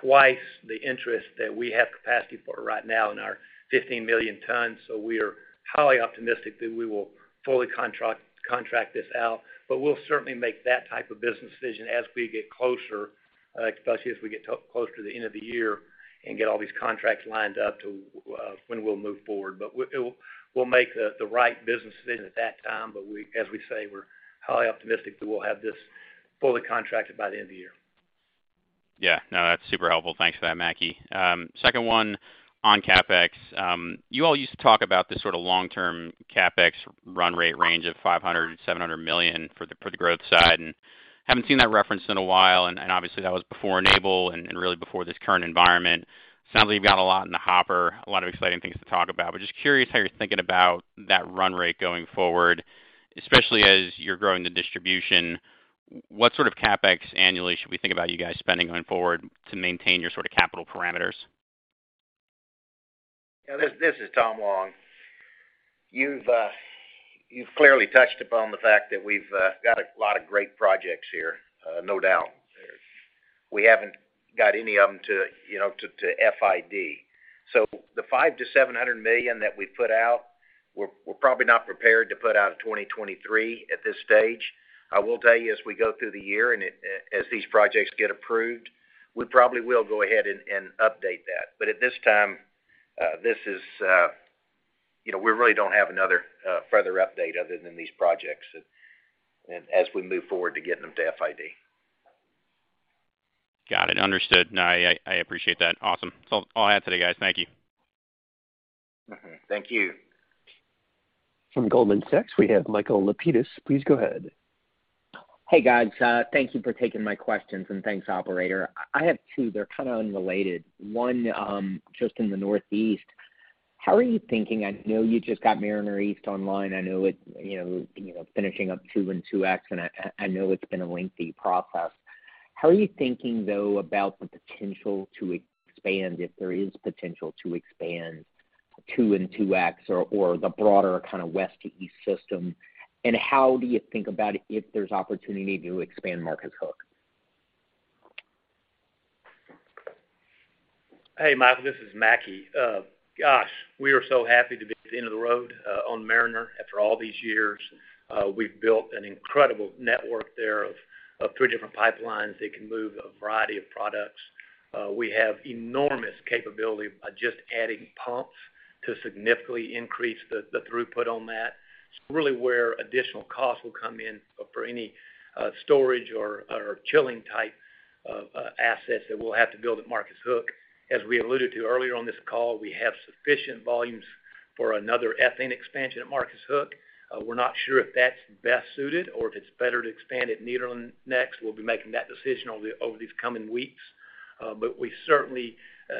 twice the interest that we have capacity for right now in our 15 million tons. We are highly optimistic that we will fully contract this out. We'll certainly make that type of business decision as we get closer, especially as we get closer to the end of the year and get all these contracts lined up to when we'll move forward. We'll make the right business decision at that time. As we say, we're highly optimistic that we'll have this fully contracted by the end of the year. Yeah. No, that's super helpful. Thanks for that, Mackie. Second one on CapEx. You all used to talk about the sort of long-term CapEx run rate range of $500 million-$700 million for the growth side, and haven't seen that referenced in a while. And obviously that was before Enable and really before this current environment. Sounds like you've got a lot in the hopper, a lot of exciting things to talk about. Just curious how you're thinking about that run rate going forward, especially as you're growing the distribution. What sort of CapEx annually should we think about you guys spending going forward to maintain your sort of capital parameters? Yeah, this is Tom Long. You've clearly touched upon the fact that we've got a lot of great projects here. No doubt. We haven't got any of them to, you know, to FID. The $500 million-$700 million that we put out, we're probably not prepared to put out a 2023 at this stage. I will tell you, as we go through the year and as these projects get approved, we probably will go ahead and update that. At this time, you know, we really don't have any further update other than these projects and as we move forward to getting them to FID. Got it. Understood. No, I appreciate that. Awesome. That's all I have today, guys. Thank you. Thank you. From Goldman Sachs, we have Michael Lapides. Please go ahead. Hey, guys, thank you for taking my questions, and thanks, operator. I have two. They're kind of unrelated. One, just in the Northeast. How are you thinking? I know you just got Mariner East online. I know it, you know, finishing up Mariner East 2 and Mariner East 2X, and I know it's been a lengthy process. How are you thinking, though, about the potential to expand, if there is potential to expand Mariner East 2 and Mariner East 2X or the broader kind of West to East system? How do you think about if there's opportunity to expand Marcus Hook? Hey, Michael, this is Mackie. Gosh, we are so happy to be at the end of the road on Mariner after all these years. We've built an incredible network there of three different pipelines that can move a variety of products. We have enormous capability by just adding pumps to significantly increase the throughput on that. It's really where additional costs will come in for any storage or chilling type of assets that we'll have to build at Marcus Hook. As we alluded to earlier on this call, we have sufficient volumes for another ethane expansion at Marcus Hook. We're not sure if that's best suited or if it's better to expand at Nederland next. We'll be making that decision over these coming weeks. We certainly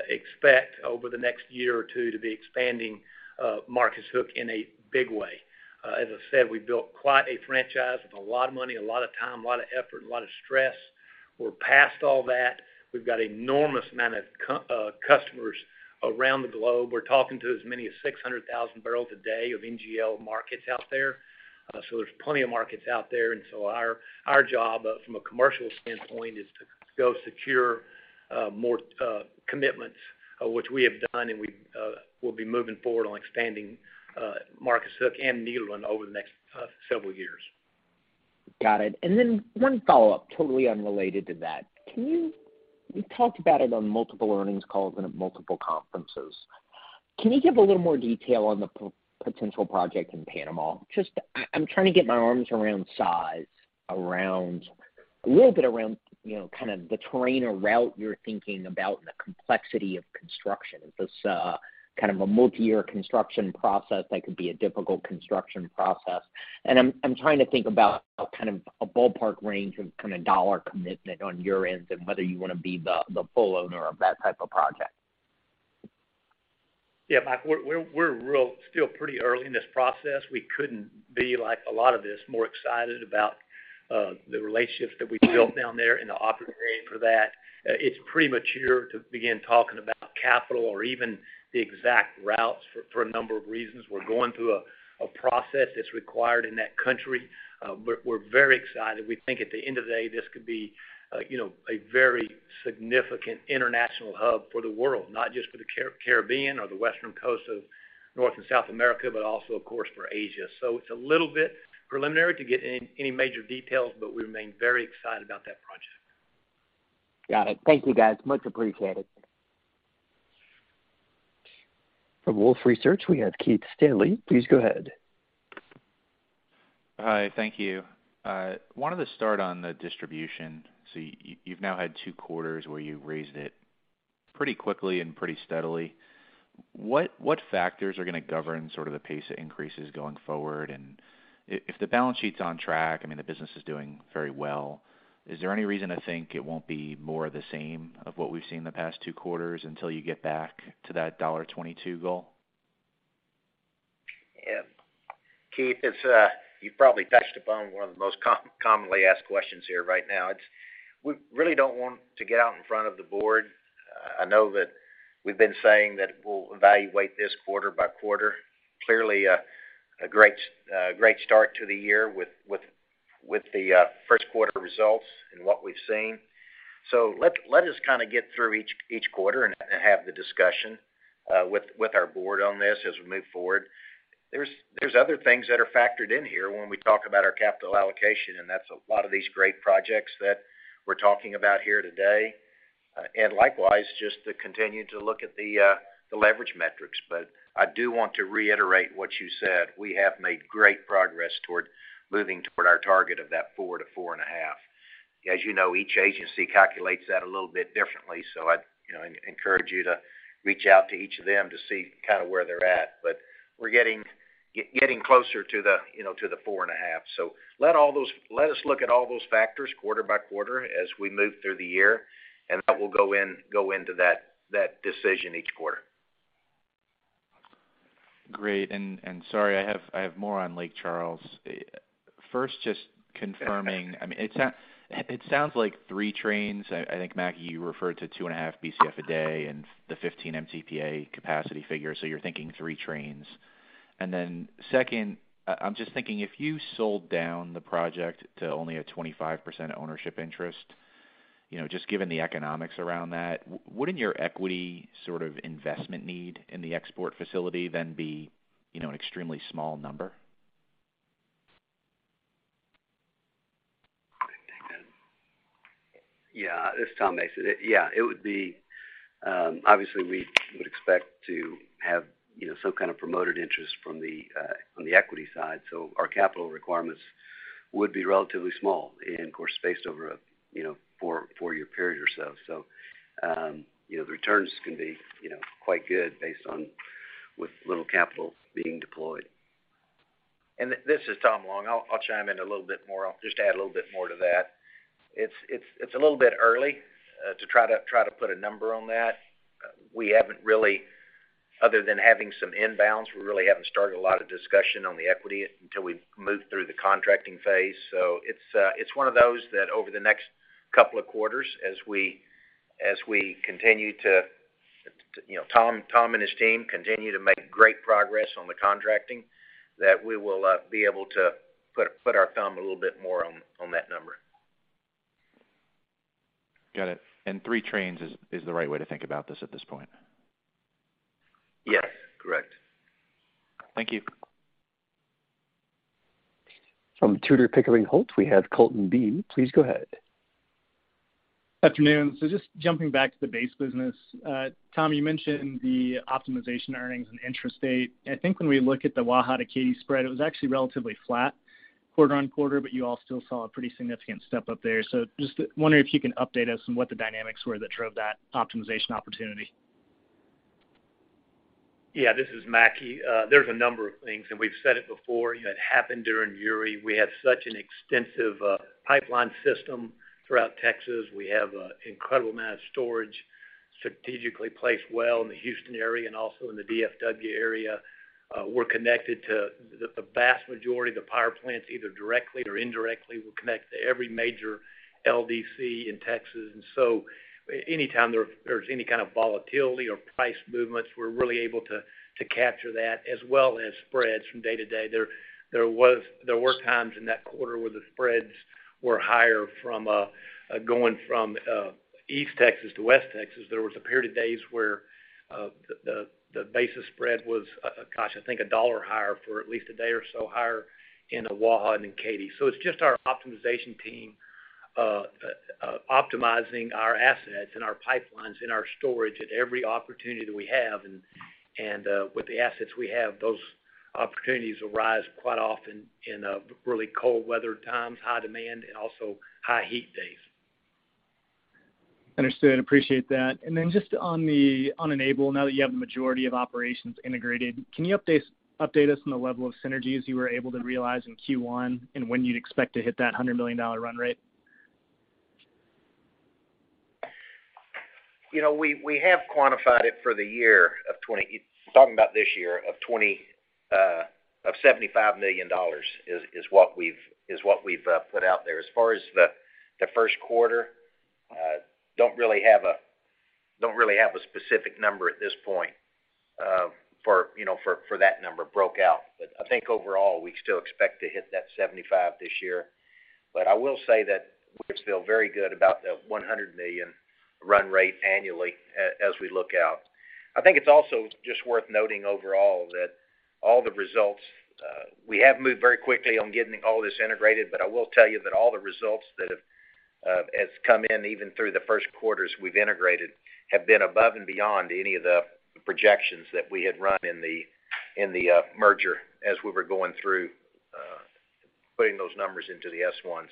expect over the next year or two to be expanding Marcus Hook in a big way. As I said, we built quite a franchise with a lot of money, a lot of time, a lot of effort, a lot of stress. We're past all that. We've got enormous amount of customers around the globe. We're talking to as many as 600,000 barrels a day of NGL markets out there. There's plenty of markets out there. Our job from a commercial standpoint is to go secure more commitments, which we have done, and we'll be moving forward on expanding Marcus Hook and Nederland over the next several years. Got it. One follow-up, totally unrelated to that. You talked about it on multiple earnings calls and at multiple conferences. Can you give a little more detail on the potential project in Panama? I'm trying to get my arms around size, a little bit around, you know, kind of the terrain or route you're thinking about and the complexity of construction. If it's kind of a multi-year construction process, that could be a difficult construction process. I'm trying to think about kind of a ballpark range of kind of dollar commitment on your end and whether you wanna be the full owner of that type of project. Mike, we're still pretty early in this process. We couldn't be more excited about the relationships that we built down there and the opportunity for that. It's premature to begin talking about capital or even the exact routes for a number of reasons. We're going through a process that's required in that country. We're very excited. We think at the end of the day, this could be, you know, a very significant international hub for the world, not just for the Caribbean or the western coast of North and South America, but also, of course, for Asia. It's a little bit preliminary to get any major details, but we remain very excited about that project. Got it. Thank you, guys. Much appreciated. From Wolfe Research, we have Keith Stanley. Please go ahead. Hi. Thank you. I wanted to start on the distribution. You've now had two quarters where you've raised it pretty quickly and pretty steadily. What factors are gonna govern sort of the pace of increases going forward? If the balance sheet's on track, I mean, the business is doing very well, is there any reason to think it won't be more of the same of what we've seen in the past two quarters until you get back to that $22 goal? Yeah. Keith, it's you've probably touched upon one of the most commonly asked questions here right now. We really don't want to get out in front of the board. I know that we've been saying that we'll evaluate this quarter by quarter. Clearly, a great start to the year with the first quarter results and what we've seen. Let us kind of get through each quarter and have the discussion with our board on this as we move forward. There's other things that are factored in here when we talk about our capital allocation, and that's a lot of these great projects that we're talking about here today. Likewise, just to continue to look at the leverage metrics. I do want to reiterate what you said. We have made great progress toward moving toward our target of that 4-4.5. As you know, each agency calculates that a little bit differently, so I'd, you know, encourage you to reach out to each of them to see kind of where they're at. We're getting closer to the, you know, to the 4.5. Let us look at all those factors quarter by quarter as we move through the year, and that will go into that decision each quarter. Great. Sorry, I have more on Lake Charles. First, just confirming, I mean, it sounds like three trains. I think, Mackie, you referred to 2.5 Bcf a day and the 15 MTPA capacity figure, so you're thinking three trains. Second, I'm just thinking, if you sold down the project to only a 25% ownership interest, you know, just given the economics around that, wouldn't your equity sort of investment need in the export facility then be, you know, an extremely small number? Yeah. This is Tom Mason. Yeah, it would be. Obviously we would expect to have, you know, some kind of promoted interest from the on the equity side. Our capital requirements would be relatively small and of course, spaced over a, you know, four-year period or so. You know, the returns can be, you know, quite good based on with little capital being deployed. This is Tom Long. I'll chime in a little bit more. I'll just add a little bit more to that. It's a little bit early to try to put a number on that. We haven't really other than having some inbounds, we really haven't started a lot of discussion on the equity until we've moved through the contracting phase. It's one of those that over the next couple of quarters, as we continue to, you know, Tom and his team continue to make great progress on the contracting, that we will be able to put our thumb a little bit more on that number. Got it. 3 trains is the right way to think about this at this point. Yes, correct. Thank you. From Tudor, Pickering, Holt, we have Colton Bean. Please go ahead. Afternoon. Just jumping back to the base business. Tom, you mentioned the optimization earnings and interest rate. I think when we look at the Waha to Katy spread, it was actually relatively flat quarter-over-quarter, but you all still saw a pretty significant step up there. Just wondering if you can update us on what the dynamics were that drove that optimization opportunity. Yeah, this is Mackie. There's a number of things, and we've said it before. You know, it happened during Uri. We have such an extensive pipeline system throughout Texas. We have incredible amount of storage strategically placed well in the Houston area and also in the DFW area. We're connected to the vast majority of the power plants, either directly or indirectly. We're connected to every major LDC in Texas. Anytime there's any kind of volatility or price movements, we're really able to capture that as well as spreads from day to day. There were times in that quarter where the spreads were higher from going from East Texas to West Texas. There was a period of days where the basis spread was, gosh, I think $1 higher for at least a day or so higher in Waha and in Katy. It's just our optimization team optimizing our assets and our pipelines and our storage at every opportunity that we have. With the assets we have, those opportunities arise quite often in really cold weather times, high demand, and also high heat days. Understood. Appreciate that. Just on Enable, now that you have the majority of operations integrated, can you update us on the level of synergies you were able to realize in Q1 and when you'd expect to hit that $100 million run rate? You know, we have quantified it for the year of 2020, talking about this year of 2020, of $75 million is what we've put out there. As far as the first quarter, don't really have a specific number at this point, for, you know, for that number broken out. I think overall, we still expect to hit that $75 million this year. I will say that we're still very good about the $100 million run rate annually as we look out. I think it's also just worth noting overall that all the results. We have moved very quickly on getting all this integrated, but I will tell you that all the results that have has come in even through the first quarters we've integrated have been above and beyond any of the projections that we had run in the merger as we were going through putting those numbers into the S-1.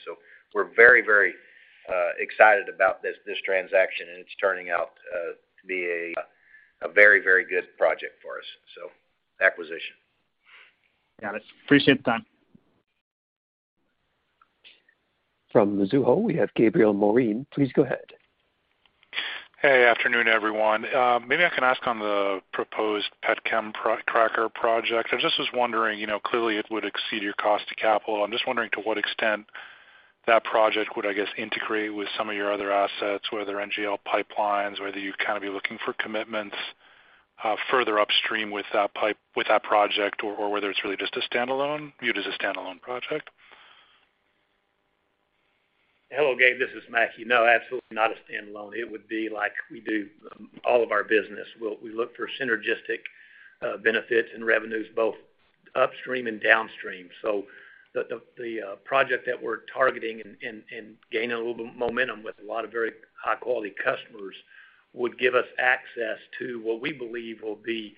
We're very, very excited about this transaction, and it's turning out to be a very, very good project for us. Acquisition. Got it. Appreciate the time. From Mizuho, we have Gabriel Moreen. Please go ahead. Good afternoon, everyone. Maybe I can ask on the proposed petchem cracker project. I just was wondering, you know, clearly it would exceed your cost of capital. I'm just wondering to what extent that project would, I guess, integrate with some of your other assets, whether NGL pipelines, whether you'd kind of be looking for commitments further upstream with that project, or whether it's really just a standalone viewed as a standalone project. Hello, Gabe. This is Mackie. No, absolutely not a standalone. It would be like we do all of our business. We look for synergistic benefits and revenues both upstream and downstream. The project that we're targeting and gaining a little bit momentum with a lot of very high-quality customers would give us access to what we believe will be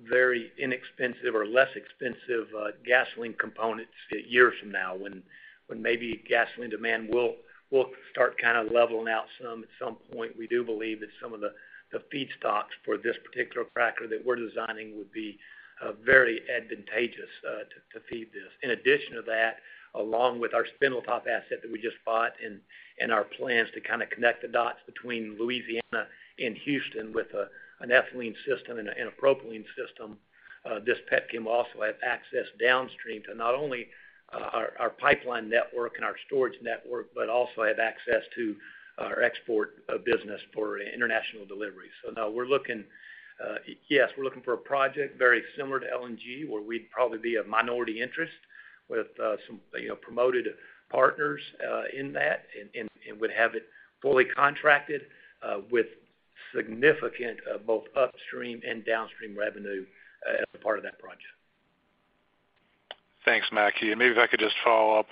very inexpensive or less expensive gasoline components a year from now when maybe gasoline demand will start kind of leveling out some at some point. We do believe that some of the feedstocks for this particular cracker that we're designing would be very advantageous to feed this. In addition to that, along with our Spindletop asset that we just bought and our plans to kind of connect the dots between Louisiana and Houston with an ethylene system and a propylene system, this petchem will also have access downstream to not only our pipeline network and our storage network, but also have access to our export business for international delivery. Yes, we're looking for a project very similar to LNG, where we'd probably be a minority interest with some, you know, promoted partners in that and would have it fully contracted with significant both upstream and downstream revenue as a part of that project. Thanks, Mackie. Maybe if I could just follow up.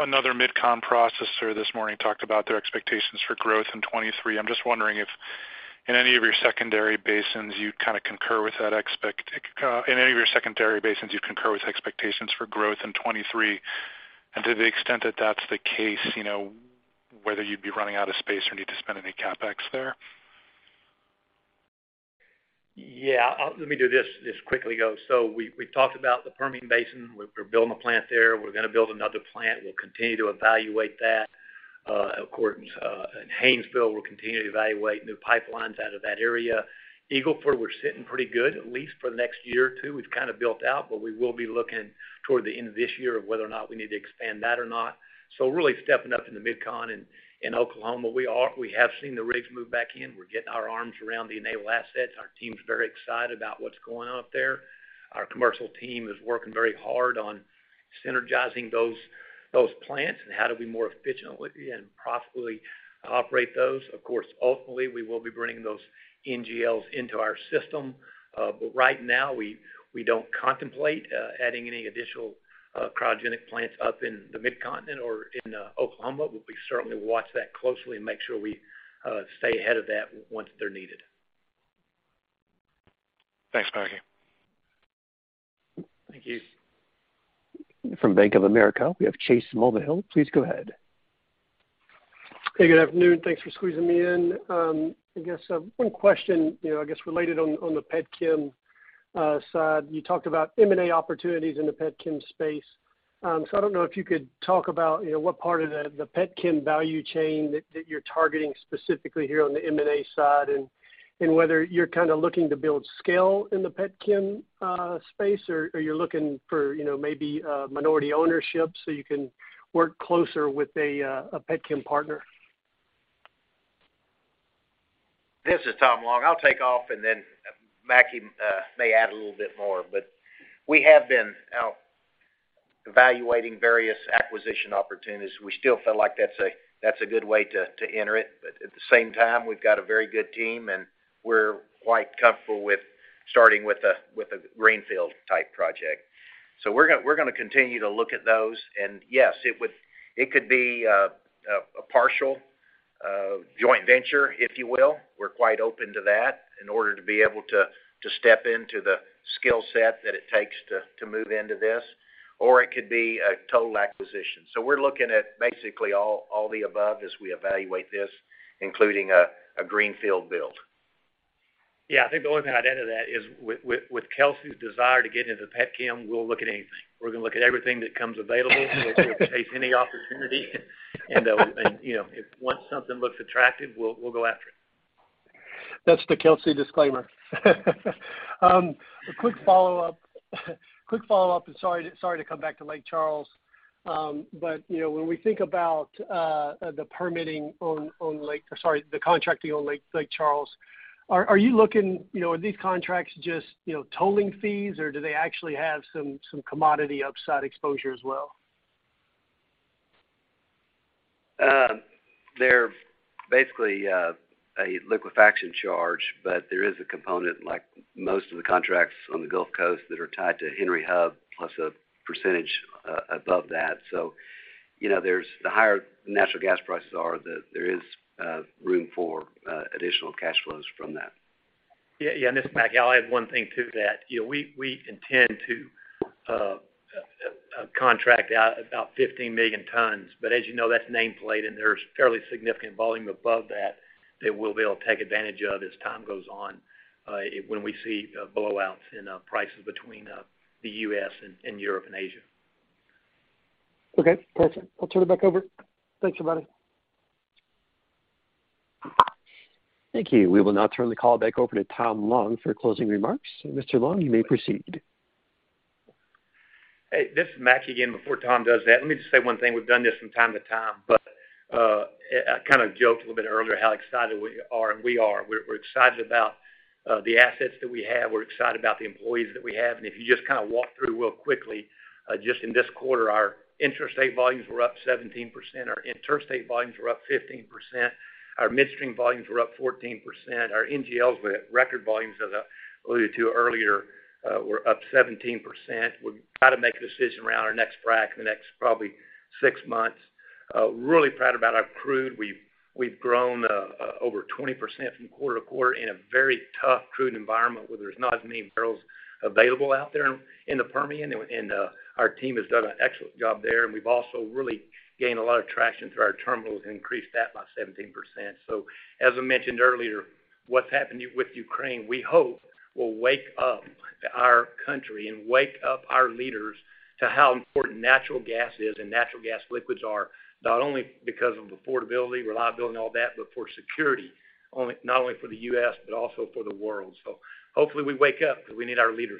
Another MidCon processor this morning talked about their expectations for growth in 2023. I'm just wondering if in any of your secondary basins, you kind of concur with expectations for growth in 2023. To the extent that that's the case, you know, whether you'd be running out of space or need to spend any CapEx there? Yeah. Let me do this quickly, though. We talked about the Permian Basin. We're building a plant there. We're gonna build another plant. We'll continue to evaluate that. Of course, in Haynesville, we'll continue to evaluate new pipelines out of that area. Eagle Ford, we're sitting pretty good, at least for the next year or two. We've kind of built out, but we will be looking toward the end of this year of whether or not we need to expand that or not. Really stepping up in the MidCon and in Oklahoma. We have seen the rigs move back in. We're getting our arms around the Enable assets. Our team's very excited about what's going on up there. Our commercial team is working very hard on synergizing those plants and how to be more efficient with and profitably operate those. Of course, ultimately, we will be bringing those NGLs into our system. Right now, we don't contemplate adding any additional cryogenic plants up in the Midcontinent or in Oklahoma. We certainly watch that closely and make sure we stay ahead of that once they're needed. Thanks, Mackie. Thank you. From Bank of America, we have Chase Mulvihill. Please go ahead. Hey, good afternoon. Thanks for squeezing me in. I guess one question, you know, I guess, related on the petchem side. You talked about M&A opportunities in the petchem space. So I don't know if you could talk about, you know, what part of the petchem value chain that you're targeting specifically here on the M&A side, and whether you're kind of looking to build scale in the petchem space or you're looking for, you know, maybe minority ownership so you can work closer with a petchem partner. This is Tom Long. I'll take off, and then Mackie may add a little bit more. We have been evaluating various acquisition opportunities. We still feel like that's a good way to enter it. At the same time, we've got a very good team, and we're quite comfortable with starting with a greenfield-type project. We're gonna continue to look at those. Yes, it could be a partial joint venture, if you will. We're quite open to that in order to be able to step into the skill set that it takes to move into this. Or it could be a total acquisition. We're looking at basically all the above as we evaluate this, including a greenfield build. Yeah. I think the only thing I'd add to that is with Kelcy's desire to get into petchem, we'll look at anything. We're gonna look at everything that comes available. We'll chase any opportunity. You know, if once something looks attractive, we'll go after it. That's the Kelcy disclaimer. A quick follow-up. Sorry to come back to Lake Charles. You know, when we think about the contracting on Lake Charles, are you looking, you know, are these contracts just tolling fees, or do they actually have some commodity upside exposure as well? They're basically a liquefaction charge, but there is a component, like most of the contracts on the Gulf Coast that are tied to Henry Hub, plus a percentage above that. You know, the higher natural gas prices are, there is room for additional cash flows from that. Yeah, yeah. This is Mackie. I'll add one thing to that. You know, we intend to contract out about 15 million tons. But as you know, that's nameplate, and there's fairly significant volume above that we'll be able to take advantage of as time goes on, when we see blowouts in prices between the U.S. and Europe and Asia. Okay, perfect. I'll turn it back over. Thanks, everybody. Thank you. We will now turn the call back over to Tom Long for closing remarks. Mr. Long, you may proceed. Hey, this is Mackie again. Before Tom does that, let me just say one thing. We've done this from time to time, but I kind of joked a little bit earlier how excited we are, and we are. We're excited about the assets that we have. We're excited about the employees that we have. If you just kind of walk through real quickly, just in this quarter, our intrastate volumes were up 17%. Our interstate volumes were up 15%. Our midstream volumes were up 14%. Our NGLs were at record volumes as I alluded to earlier, were up 17%. We'll try to make a decision around our next frac in the next probably 6 months. Really proud about our crude. We've grown over 20% quarter-over-quarter in a very tough crude environment where there's not as many barrels available out there in the Permian. Our team has done an excellent job there, and we've also really gained a lot of traction through our terminals and increased that by 17%. As I mentioned earlier, what's happened with Ukraine, we hope will wake up our country and wake up our leaders to how important natural gas is and natural gas liquids are, not only because of affordability, reliability, and all that, but for security, not only for the U.S., but also for the world. Hopefully we wake up because we need our leaders.